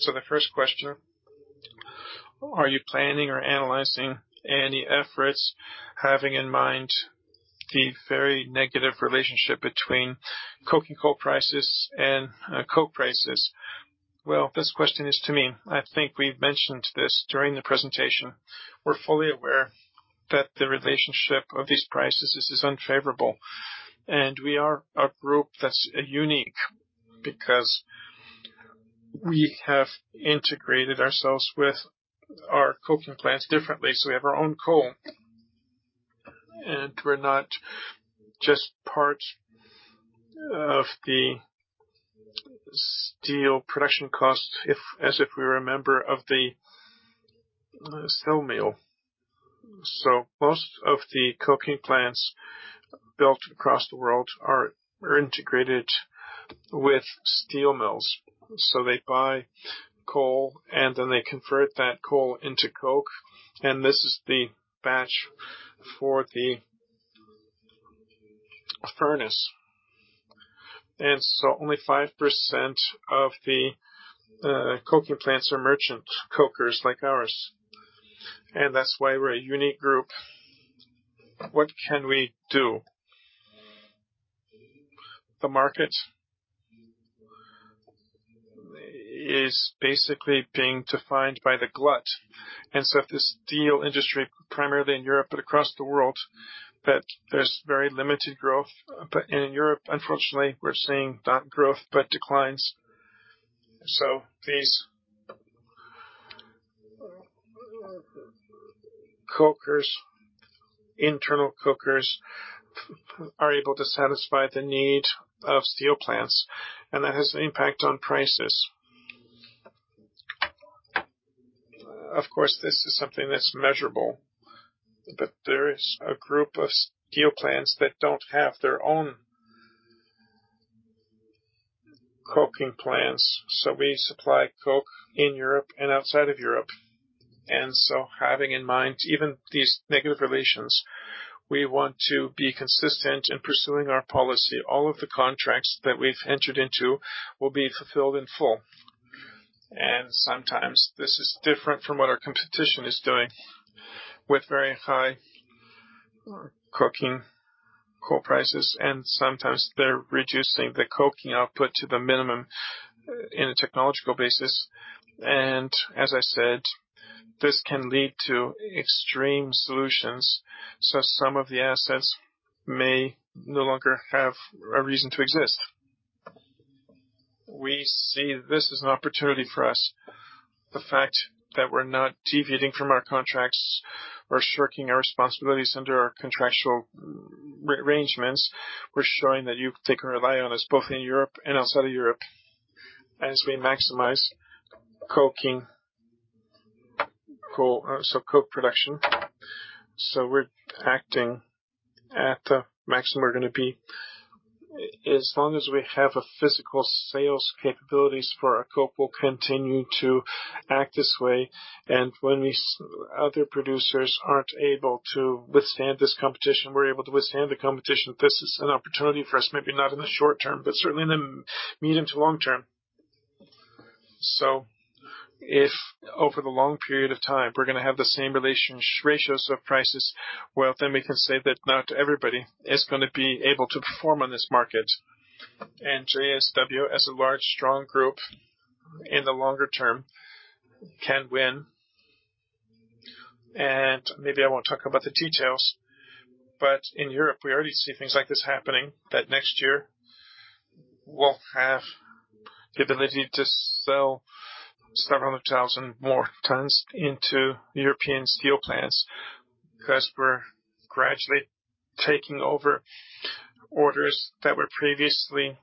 A: So the first question: Are you planning or analyzing any efforts, having in mind the very negative relationship between coking coal prices and coke prices? Well, this question is to me. I think we've mentioned this during the presentation. We're fully aware that the relationship of these prices is unfavorable, and we are a group that's unique because we have integrated ourselves with our coking plants differently. So we have our own coal, and we're not just part of the steel production cost, as if we were a member of the steel mill. So most of the coking plants built across the world are integrated with steel mills. So they buy coal, and then they convert that coal into coke, and this is the batch for the furnace. And so only 5% of the coking plants are merchant cokers like ours, and that's why we're a unique group. What can we do? The market is basically being defined by the glut. And so if the steel industry, primarily in Europe, but across the world, that there's very limited growth. But in Europe, unfortunately, we're seeing not growth, but declines. So these cokers, internal cokers, are able to satisfy the need of steel plants, and that has an impact on prices. Of course, this is something that's measurable, but there is a group of steel plants that don't have their own coking plants, so we supply coke in Europe and outside of Europe. And so having in mind, even these negative relations, we want to be consistent in pursuing our policy. All of the contracts that we've entered into will be fulfilled in full. And sometimes this is different from what our competition is doing with very high coking coal prices, and sometimes they're reducing the coking output to the minimum in a technological basis. And as I said, this can lead to extreme solutions, so some of the assets may no longer have a reason to exist. We see this as an opportunity for us. The fact that we're not deviating from our contracts or shirking our responsibilities under our contractual rearrangements, we're showing that you—they can rely on us both in Europe and outside of Europe, as we maximize coking coal, so coke production. So we're acting at the maximum we're gonna be. As long as we have a physical sales capabilities for our coke, we'll continue to act this way. And when these other producers aren't able to withstand this competition, we're able to withstand the competition. This is an opportunity for us, maybe not in the short term, but certainly in the medium to long term. So if over the long period of time, we're gonna have the same relations, ratios of prices, well, then we can say that not everybody is gonna be able to perform on this market. JSW, as a large, strong group in the longer term, can win. Maybe I won't talk about the details, but in Europe, we already see things like this happening, that next year we'll have the ability to sell several hundred thousand more tons into European steel plants, 'cause we're gradually taking over orders that were previously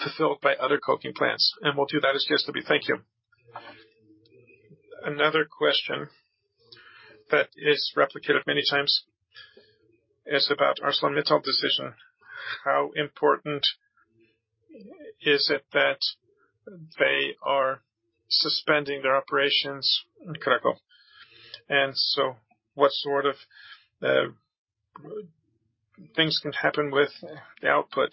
A: fulfilled by other coking plants, and we'll do that as JSW. Thank you. Another question that is replicated many times is about ArcelorMittal decision. How important is it that they are suspending their operations in Kraków? So what sort of things can happen with the output.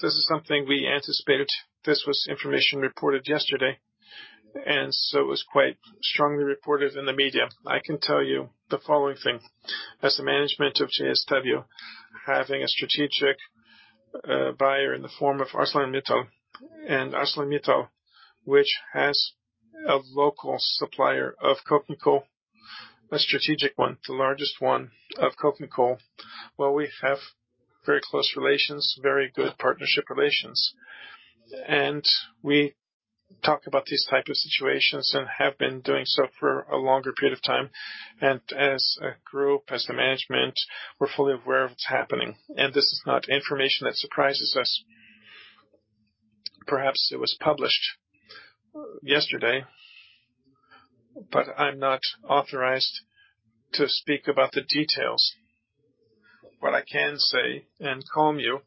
A: This is something we anticipated. This was information reported yesterday, and so it was quite strongly reported in the media. I can tell you the following thing: as the management of JSW, having a strategic, buyer in the form of ArcelorMittal and ArcelorMittal, which has a local supplier of coking coal, a strategic one, the largest one of coking coal. Well, we have very close relations, very good partnership relations, and we talk about these type of situations and have been doing so for a longer period of time. And as a group, as the management, we're fully aware of what's happening. And this is not information that surprises us. Perhaps it was published yesterday, but I'm not authorized to speak about the details. What I can say and calm you,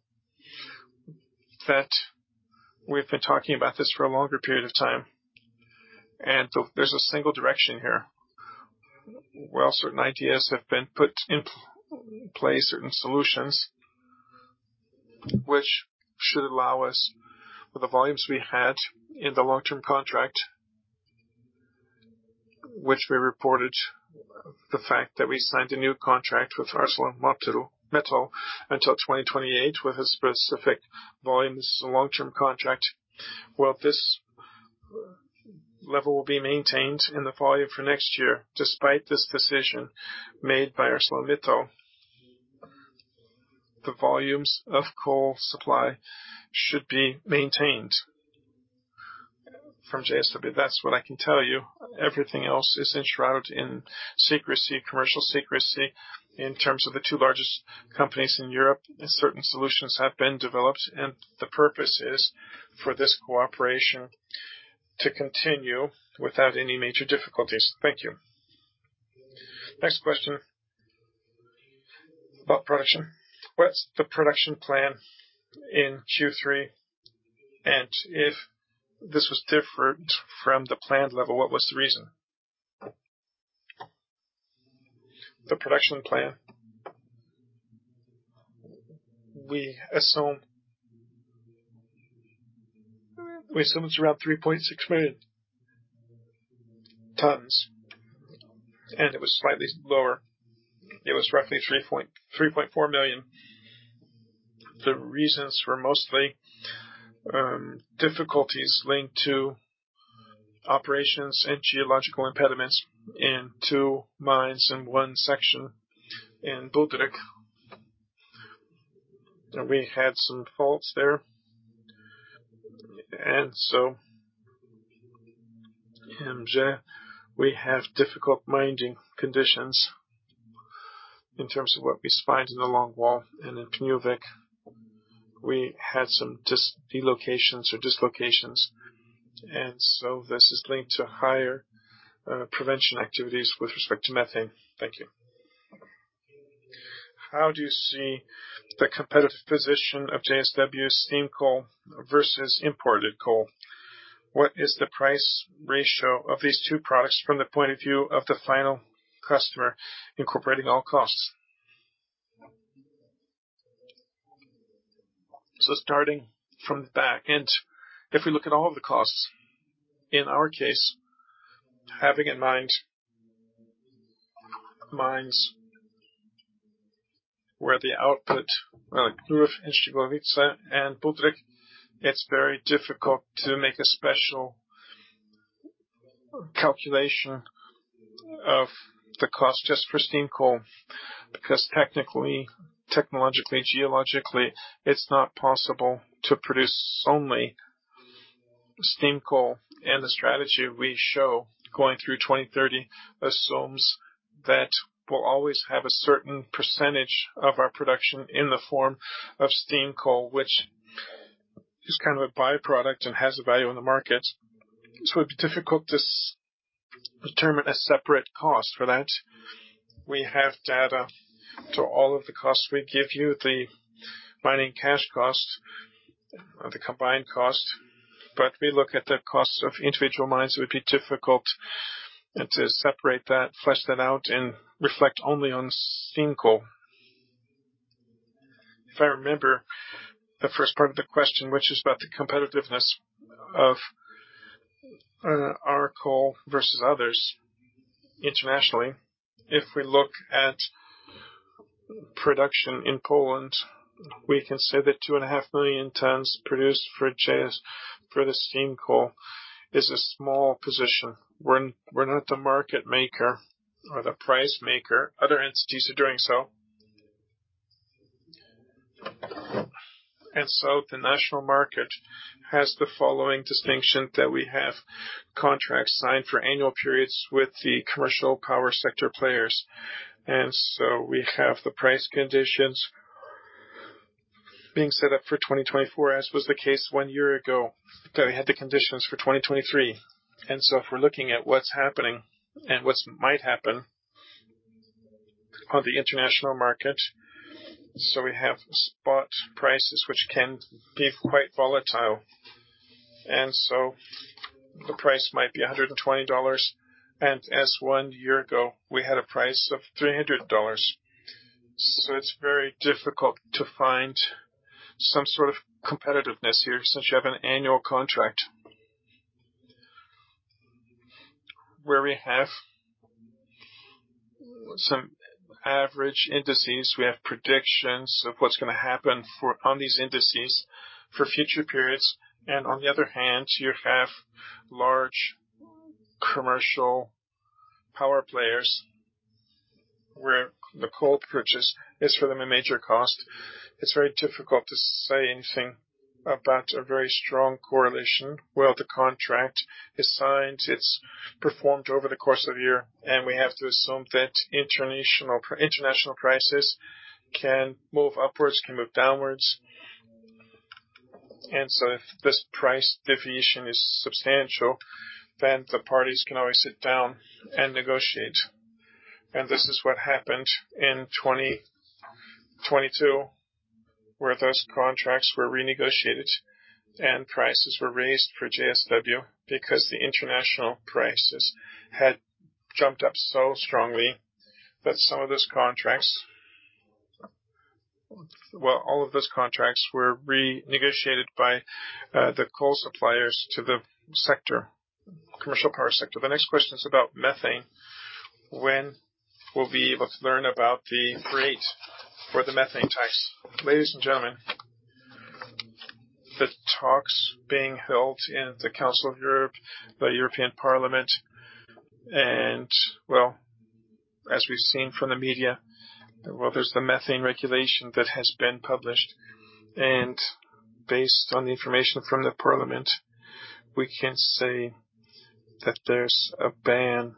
A: that we've been talking about this for a longer period of time, and there's a single direction here. While certain ideas have been put in place, certain solutions, which should allow us, with the volumes we had in the long-term contract, which we reported the fact that we signed a new contract with ArcelorMittal until 2028, with a specific volume. This is a long-term contract. While this level will be maintained in the volume for next year, despite this decision made by ArcelorMittal, the volumes of coal supply should be maintained from JSW. That's what I can tell you. Everything else is enshrouded in secrecy, commercial secrecy, in terms of the two largest companies in Europe, and certain solutions have been developed, and the purpose is for this cooperation to continue without any major difficulties. Thank you. Next question. About production. What's the production plan in Q3? And if this was different from the planned level, what was the reason? The production plan. We assume... We assumed it was around 3.6 million tons, and it was slightly lower. It was roughly three point, 3.4 million. The reasons were mostly difficulties linked to operations and geological impediments in two mines and one section in Budryk. And we had some faults there. And so in MJ, we have difficult mining conditions in terms of what we find in the longwall and in Pniówek, we had some dislocations, and so this is linked to higher prevention activities with respect to methane. Thank you. How do you see the competitive position of JSW steam coal versus imported coal? What is the price ratio of these two products from the point of view of the final customer, incorporating all costs? So starting from the back end, if we look at all of the costs, in our case, having in mind mines where the output grew in Szczygłowice and Budryk, it's very difficult to make a special calculation of the cost just for steam coal, because technically, technologically, geologically, it's not possible to produce only steam coal. And the strategy we show going through 2030 assumes that we'll always have a certain percentage of our production in the form of steam coal, which is kind of a byproduct and has a value in the market. So it'd be difficult to determine a separate cost for that. We have data to all of the costs. We give you the mining cash costs, or the combined cost, but we look at the costs of individual mines, it would be difficult to separate that, flesh that out and reflect only on steam coal. If I remember the first part of the question, which is about the competitiveness of our coal versus others internationally. If we look at production in Poland, we can say that 2.5 million tons produced for JSW, for the steam coal, is a small position. We're, we're not the market maker or the price maker. Other entities are doing so. And so the national market has the following distinction, that we have contracts signed for annual periods with the commercial power sector players. And so we have the price conditions being set up for 2024, as was the case one year ago, that we had the conditions for 2023. And so if we're looking at what's happening and what might happen on the international market... So we have spot prices, which can be quite volatile, and so the price might be $120, and as one year ago, we had a price of $300. So it's very difficult to find some sort of competitiveness here, since you have an annual contract. Where we have some average indices, we have predictions of what's gonna happen for, on these indices for future periods, and on the other hand, you have large commercial power players where the coal purchase is for them a major cost. It's very difficult to say anything about a very strong correlation. Well, the contract is signed, it's performed over the course of a year, and we have to assume that international, international prices can move upwards, can move downwards. And so if this price deviation is substantial, then the parties can always sit down and negotiate. This is what happened in 2022, where those contracts were renegotiated and prices were raised for JSW because the international prices had jumped up so strongly that some of those contracts. Well, all of those contracts were renegotiated by the coal suppliers to the sector, commercial power sector. The next question is about methane. When we'll be able to learn about the rate for the methane types? Ladies and gentlemen, the talks being held in the Council of Europe, the European Parliament, and well, as we've seen from the media, well, there's the methane regulation that has been published, and based on the information from the Parliament, we can say that there's a ban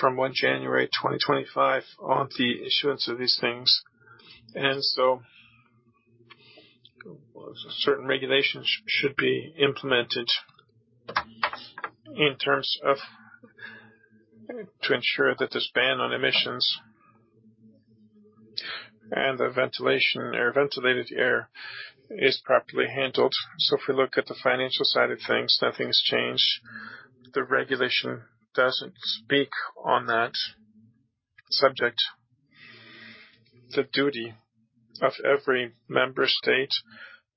A: from 1 January 2025 on the issuance of these things, and so certain regulations should be implemented in terms of... To ensure that this ban on emissions and the ventilation or ventilated air is properly handled. So if we look at the financial side of things, nothing's changed. The regulation doesn't speak on that subject. The duty of every member state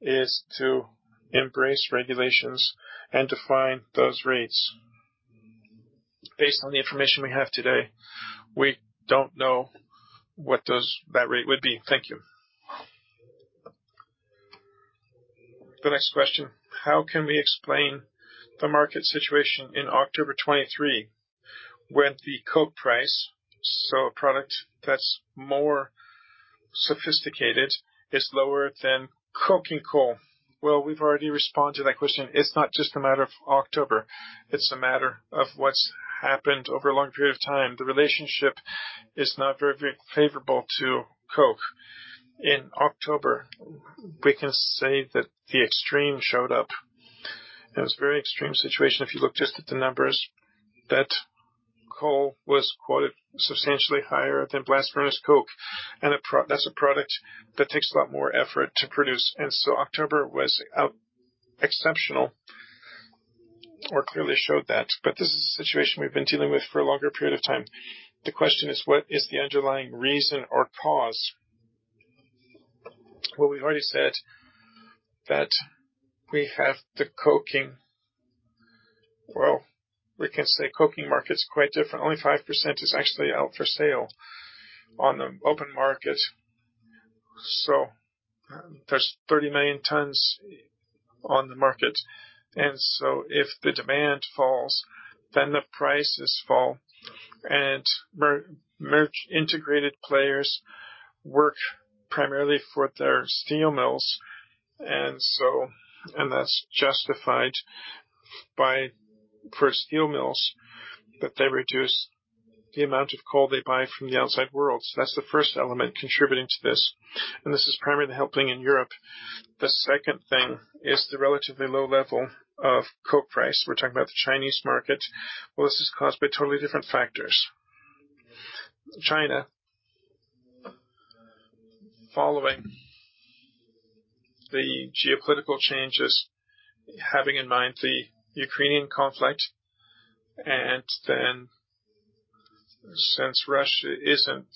A: is to embrace regulations and define those rates. Based on the information we have today, we don't know what those, that rate would be. Thank you. The next question: How can we explain the market situation in October 2023, when the coke price, so a product that's more sophisticated, is lower than coking coal? Well, we've already responded to that question. It's not just a matter of October, it's a matter of what's happened over a long period of time. The relationship is not very, very favorable to coke. In October, we can say that the extreme showed up. It was a very extreme situation. If you look just at the numbers, that coal was quoted substantially higher than blast furnace coke, and that's a product that takes a lot more effort to produce. And so October was out exceptional or clearly showed that. But this is a situation we've been dealing with for a longer period of time. The question is: What is the underlying reason or cause? Well, we've already said that we have the coking... Well, we can say coking market is quite different. Only 5% is actually out for sale on the open market, so there's 30 million tons on the market. And so if the demand falls, then the prices fall, and merchant integrated players work primarily for their steel mills, and so, and that's justified by, for steel mills, that they reduce the amount of coal they buy from the outside world. So that's the first element contributing to this, and this is primarily happening in Europe. The second thing is the relatively low level of coke price. We're talking about the Chinese market. Well, this is caused by totally different factors. China, following the geopolitical changes, having in mind the Ukrainian conflict, and then, since Russia isn't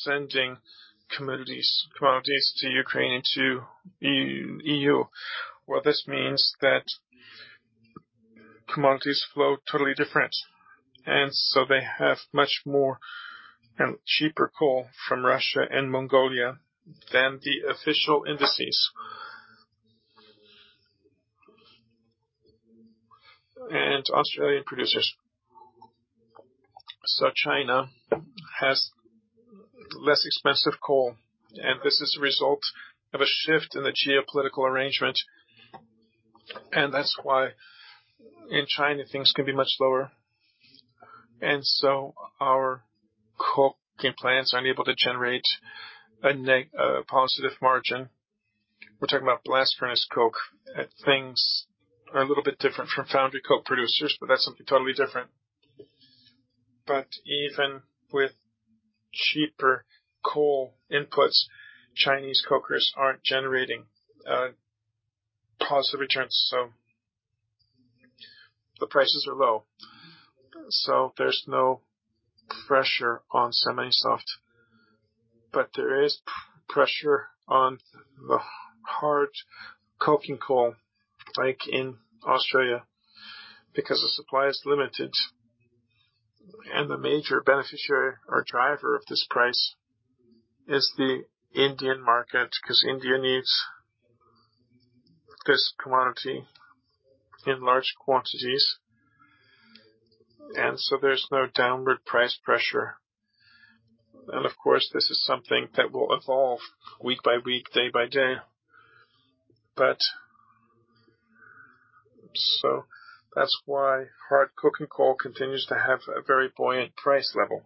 A: sending commodities, commodities to Ukraine and to EU, well, this means that commodities flow totally different. And so they have much more and cheaper coal from Russia and Mongolia than the official indices and Australian producers. So China has less expensive coal, and this is a result of a shift in the geopolitical arrangement, and that's why in China, things can be much lower. And so our coking plants are unable to generate a positive margin.... We're talking about blast furnace coke, and things are a little bit different from foundry coke producers, but that's something totally different. But even with cheaper coal inputs, Chinese cokers aren't generating positive returns, so the prices are low. So there's no pressure on semi-soft, but there is pressure on the hard coking coal, like in Australia, because the supply is limited. And the major beneficiary or driver of this price is the Indian market, 'cause India needs this commodity in large quantities, and so there's no downward price pressure. And of course, this is something that will evolve week by week, day by day. But, so that's why hard coking coal continues to have a very buoyant price level.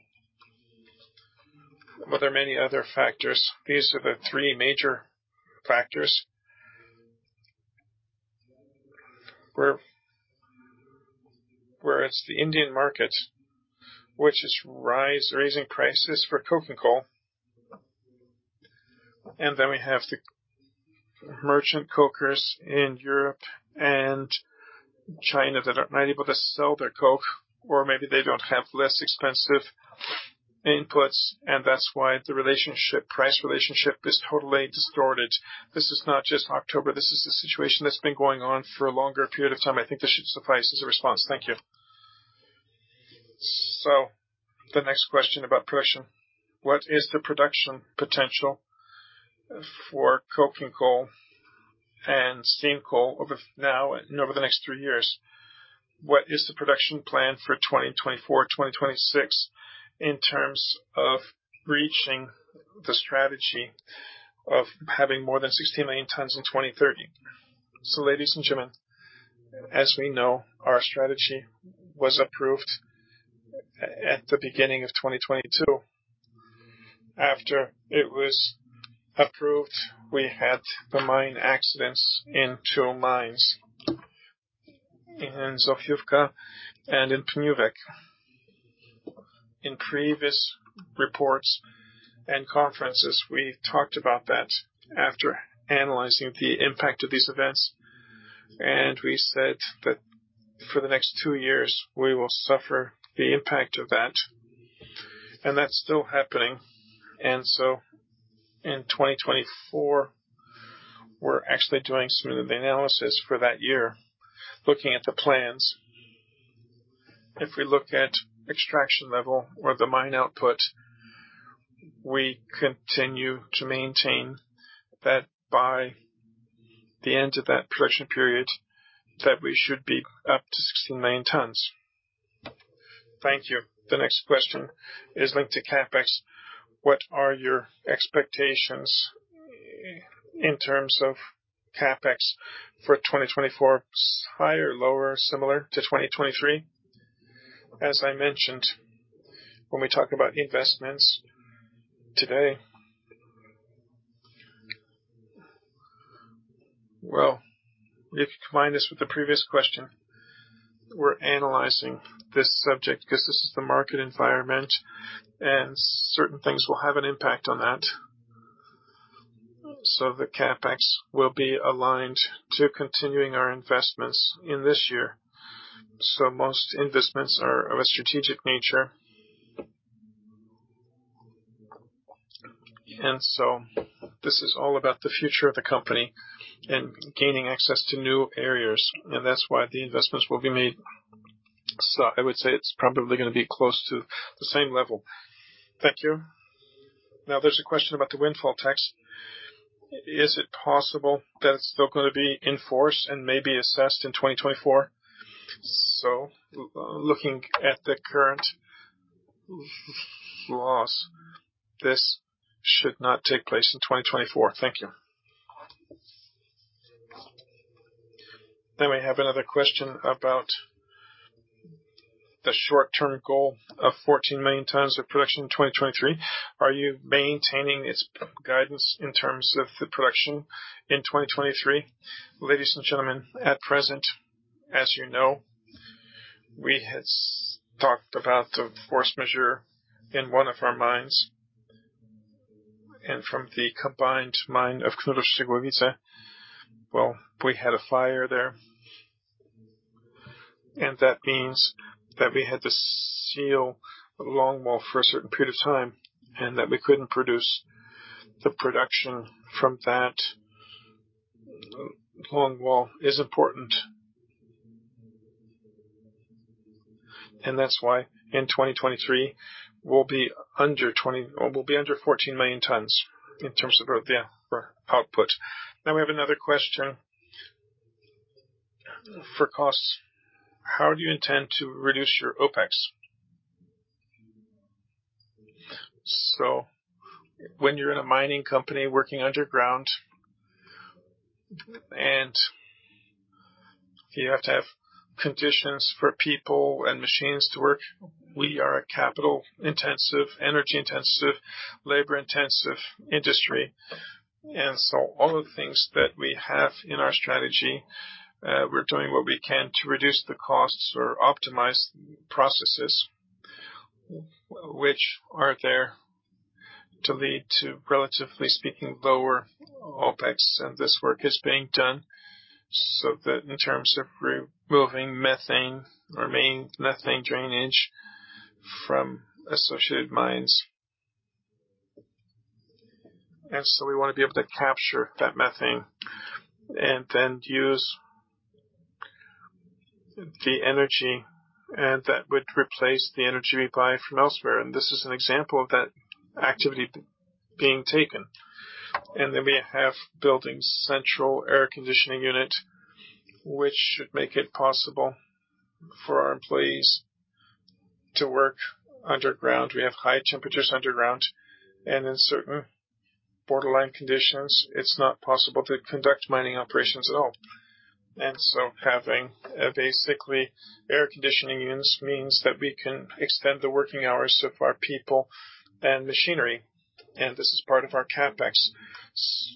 A: Well, there are many other factors. These are the three major factors. Where, whereas the Indian market, which is rise, raising prices for coking coal. And then we have the merchant cokers in Europe and China that are not able to sell their coke, or maybe they don't have less expensive inputs, and that's why the relationship, price relationship is totally distorted. This is not just October; this is a situation that's been going on for a longer period of time. I think this should suffice as a response. Thank you. So the next question about production. What is the production potential for coking coal and steam coal over now and over the next three years? What is the production plan for 2024, 2026, in terms of reaching the strategy of having more than 16 million tons in 2030? So ladies and gentlemen, as we know, our strategy was approved at the beginning of 2022. After it was approved, we had the mine accidents in two mines, in Zofiówka and in Pniówek. In previous reports and conferences, we talked about that after analyzing the impact of these events, and we said that for the next two years, we will suffer the impact of that, and that's still happening. And so in 2024, we're actually doing some of the analysis for that year, looking at the plans. If we look at extraction level or the mine output, we continue to maintain that by the end of that production period, that we should be up to 16 million tons. Thank you. The next question is linked to CapEx. What are your expectations in terms of CapEx for 2024? Higher, lower, similar to 2023? As I mentioned, when we talk about investments today... Well, if you combine this with the previous question, we're analyzing this subject because this is the market environment, and certain things will have an impact on that. So the CapEx will be aligned to continuing our investments in this year. So most investments are of a strategic nature. And so this is all about the future of the company and gaining access to new areas, and that's why the investments will be made. So I would say it's probably gonna be close to the same level. Thank you. Now, there's a question about the windfall tax. Is it possible that it's still gonna be enforced and may be assessed in 2024? So looking at the current laws, this should not take place in 2024. Thank you. Then we have another question about the short-term goal of 14 million tons of production in 2023. Are you maintaining its guidance in terms of the production in 2023? Ladies and gentlemen, at present, as you know, we had talked about the force majeure in one of our mines, and from the combined mine of Knurów-Szczygłowice, well, we had a fire there. And that means that we had to seal a longwall for a certain period of time, and that we couldn't produce the production from that. Longwall is important. And that's why in 2023, we'll be under twenty... Or we'll be under 14 million tons in terms of our, the, our output. Now, we have another question for costs: How do you intend to reduce your OpEx? So when you're in a mining company, working underground, and... You have to have conditions for people and machines to work. We are a capital-intensive, energy-intensive, labor-intensive industry, and so all of the things that we have in our strategy, we're doing what we can to reduce the costs or optimize processes, which are there to lead to, relatively speaking, lower OpEx. This work is being done so that in terms of removing methane or main methane drainage from associated mines. So we want to be able to capture that methane and then use the energy, and that would replace the energy we buy from elsewhere. This is an example of that activity being taken. Then we have building central air conditioning unit, which should make it possible for our employees to work underground. We have high temperatures underground, and in certain borderline conditions, it's not possible to conduct mining operations at all. And so having, basically air conditioning units means that we can extend the working hours of our people and machinery, and this is part of our CapEx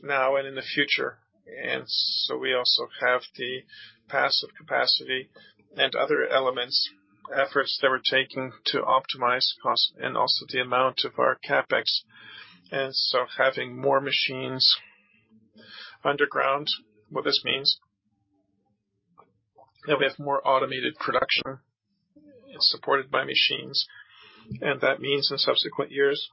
A: now and in the future. And so we also have the passive capacity and other elements, efforts that we're taking to optimize costs and also the amount of our CapEx. And so having more machines underground, what this means, that we have more automated production. It's supported by machines, and that means in subsequent years,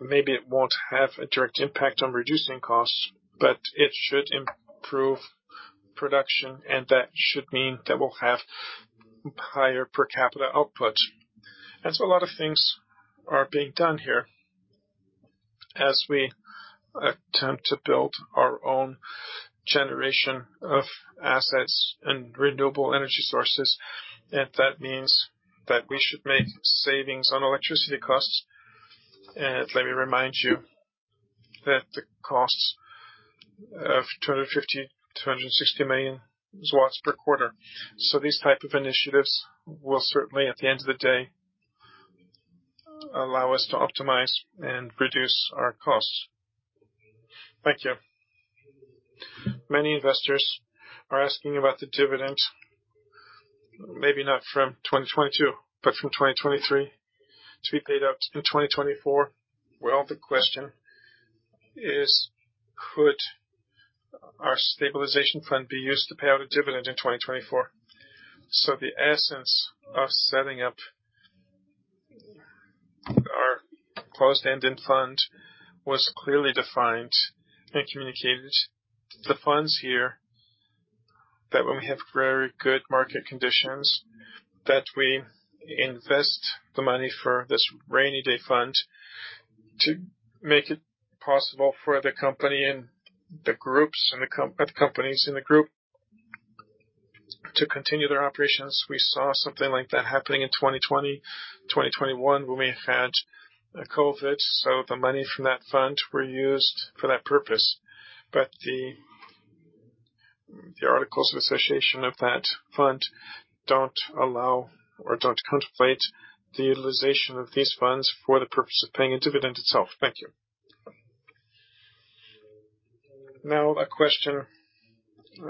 A: maybe it won't have a direct impact on reducing costs, but it should improve production, and that should mean that we'll have higher per capita output. And so a lot of things are being done here as we attempt to build our own generation of assets and renewable energy sources, and that means that we should make savings on electricity costs. And let me remind you that the costs of 250 million-260 million per quarter. So these type of initiatives will certainly, at the end of the day, allow us to optimize and reduce our costs. Thank you. Many investors are asking about the dividend, maybe not from 2022, but from 2023 to be paid out in 2024. Well, the question is: Could our stabilization fund be used to pay out a dividend in 2024? So the essence of setting up our closed-ended fund was clearly defined and communicated. The funds here, that when we have very good market conditions, that we invest the money for this rainy day fund to make it possible for the company and the groups, and the companies in the group to continue their operations. We saw something like that happening in 2020, 2021, when we had a COVID. So the money from that fund were used for that purpose. But the articles of association of that fund don't allow or don't contemplate the utilization of these funds for the purpose of paying a dividend itself. Thank you. Now, a question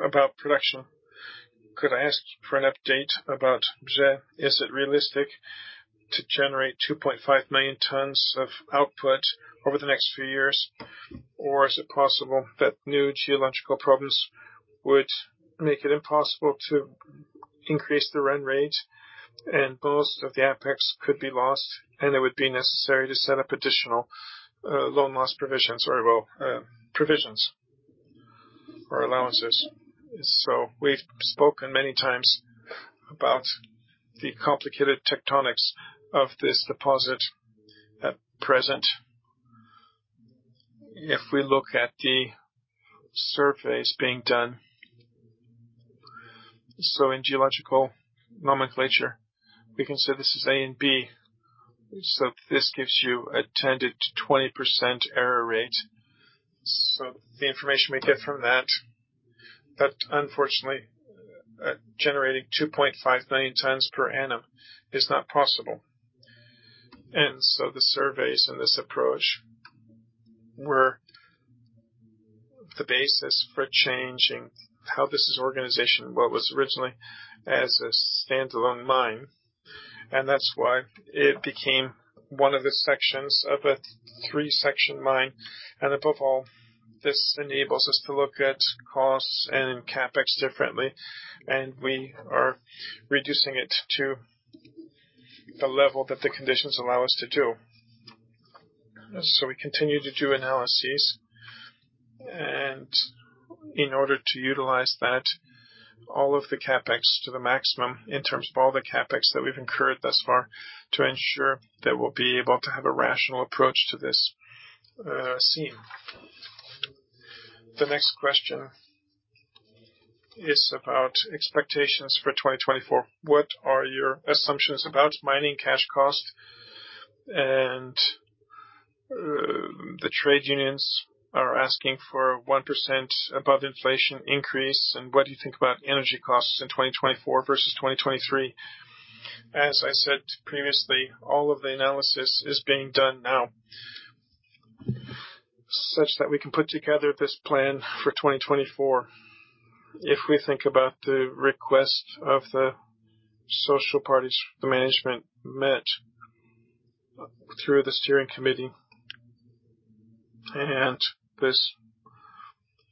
A: about production. Could I ask for an update about, is it realistic to generate 2.5 million tons of output over the next few years? Or is it possible that new geological problems would make it impossible to increase the run rate, and most of the OpEx could be lost, and it would be necessary to set up additional, loan loss provisions, or, well, provisions or allowances? So we've spoken many times about the complicated tectonics of this deposit at present. If we look at the surveys being done, so in geological nomenclature, we can say this is A and B, so this gives you a 10%-20% error rate. So the information we get from that, that unfortunately, generating 2.5 million tons per annum is not possible. And so the surveys and this approach were the basis for changing how this is organization, what was originally as a standalone mine, and that's why it became one of the sections of a three-section mine. And above all, this enables us to look at costs and CapEx differently, and we are reducing it to the level that the conditions allow us to do. So we continue to do analyses, and in order to utilize that, all of the CapEx to the maximum in terms of all the CapEx that we've incurred thus far, to ensure that we'll be able to have a rational approach to this scene. The next question is about expectations for 2024. What are your assumptions about mining cash cost. The trade unions are asking for 1% above inflation increase, and what do you think about energy costs in 2024 versus 2023? As I said previously, all of the analysis is being done now, such that we can put together this plan for 2024. If we think about the request of the social parties, the management met through the steering committee, and this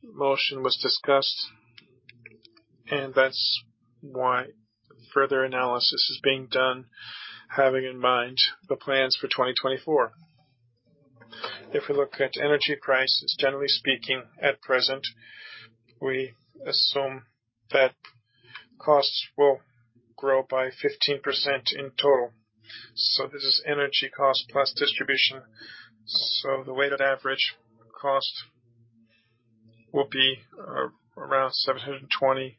A: motion was discussed, and that's why further analysis is being done, having in mind the plans for 2024. If we look at energy prices, generally speaking, at present, we assume that costs will grow by 15% in total. So this is energy cost plus distribution. So the weighted average cost will be around 720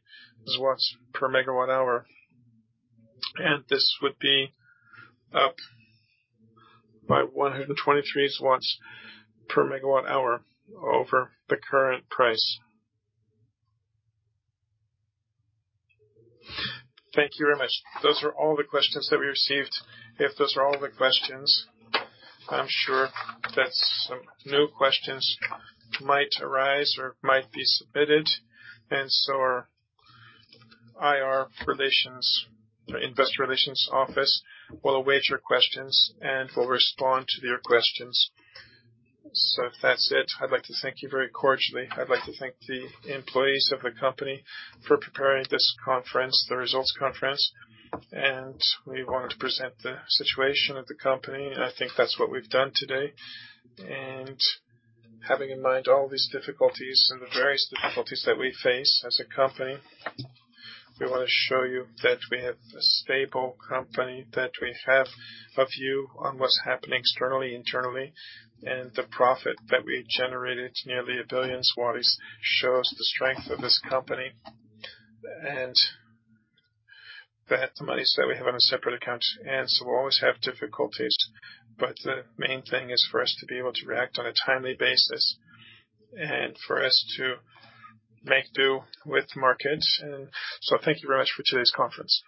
A: per MWh, and this would be up by 123 per MWh over the current price. Thank you very much. Those are all the questions that we received. If those are all the questions, I'm sure that some new questions might arise or might be submitted, and so our IR relations, Investor Relations office, will await your questions and will respond to your questions. So if that's it, I'd like to thank you very cordially. I'd like to thank the employees of the company for preparing this conference, the results conference, and we wanted to present the situation of the company, and I think that's what we've done today. Having in mind all these difficulties and the various difficulties that we face as a company, we want to show you that we have a stable company, that we have a view on what's happening externally, internally, and the profit that we generated, nearly 1 billion zlotys, shows the strength of this company, and that the monies that we have on a separate account, and so we'll always have difficulties. But the main thing is for us to be able to react on a timely basis and for us to make do with the market. Thank you very much for today's conference.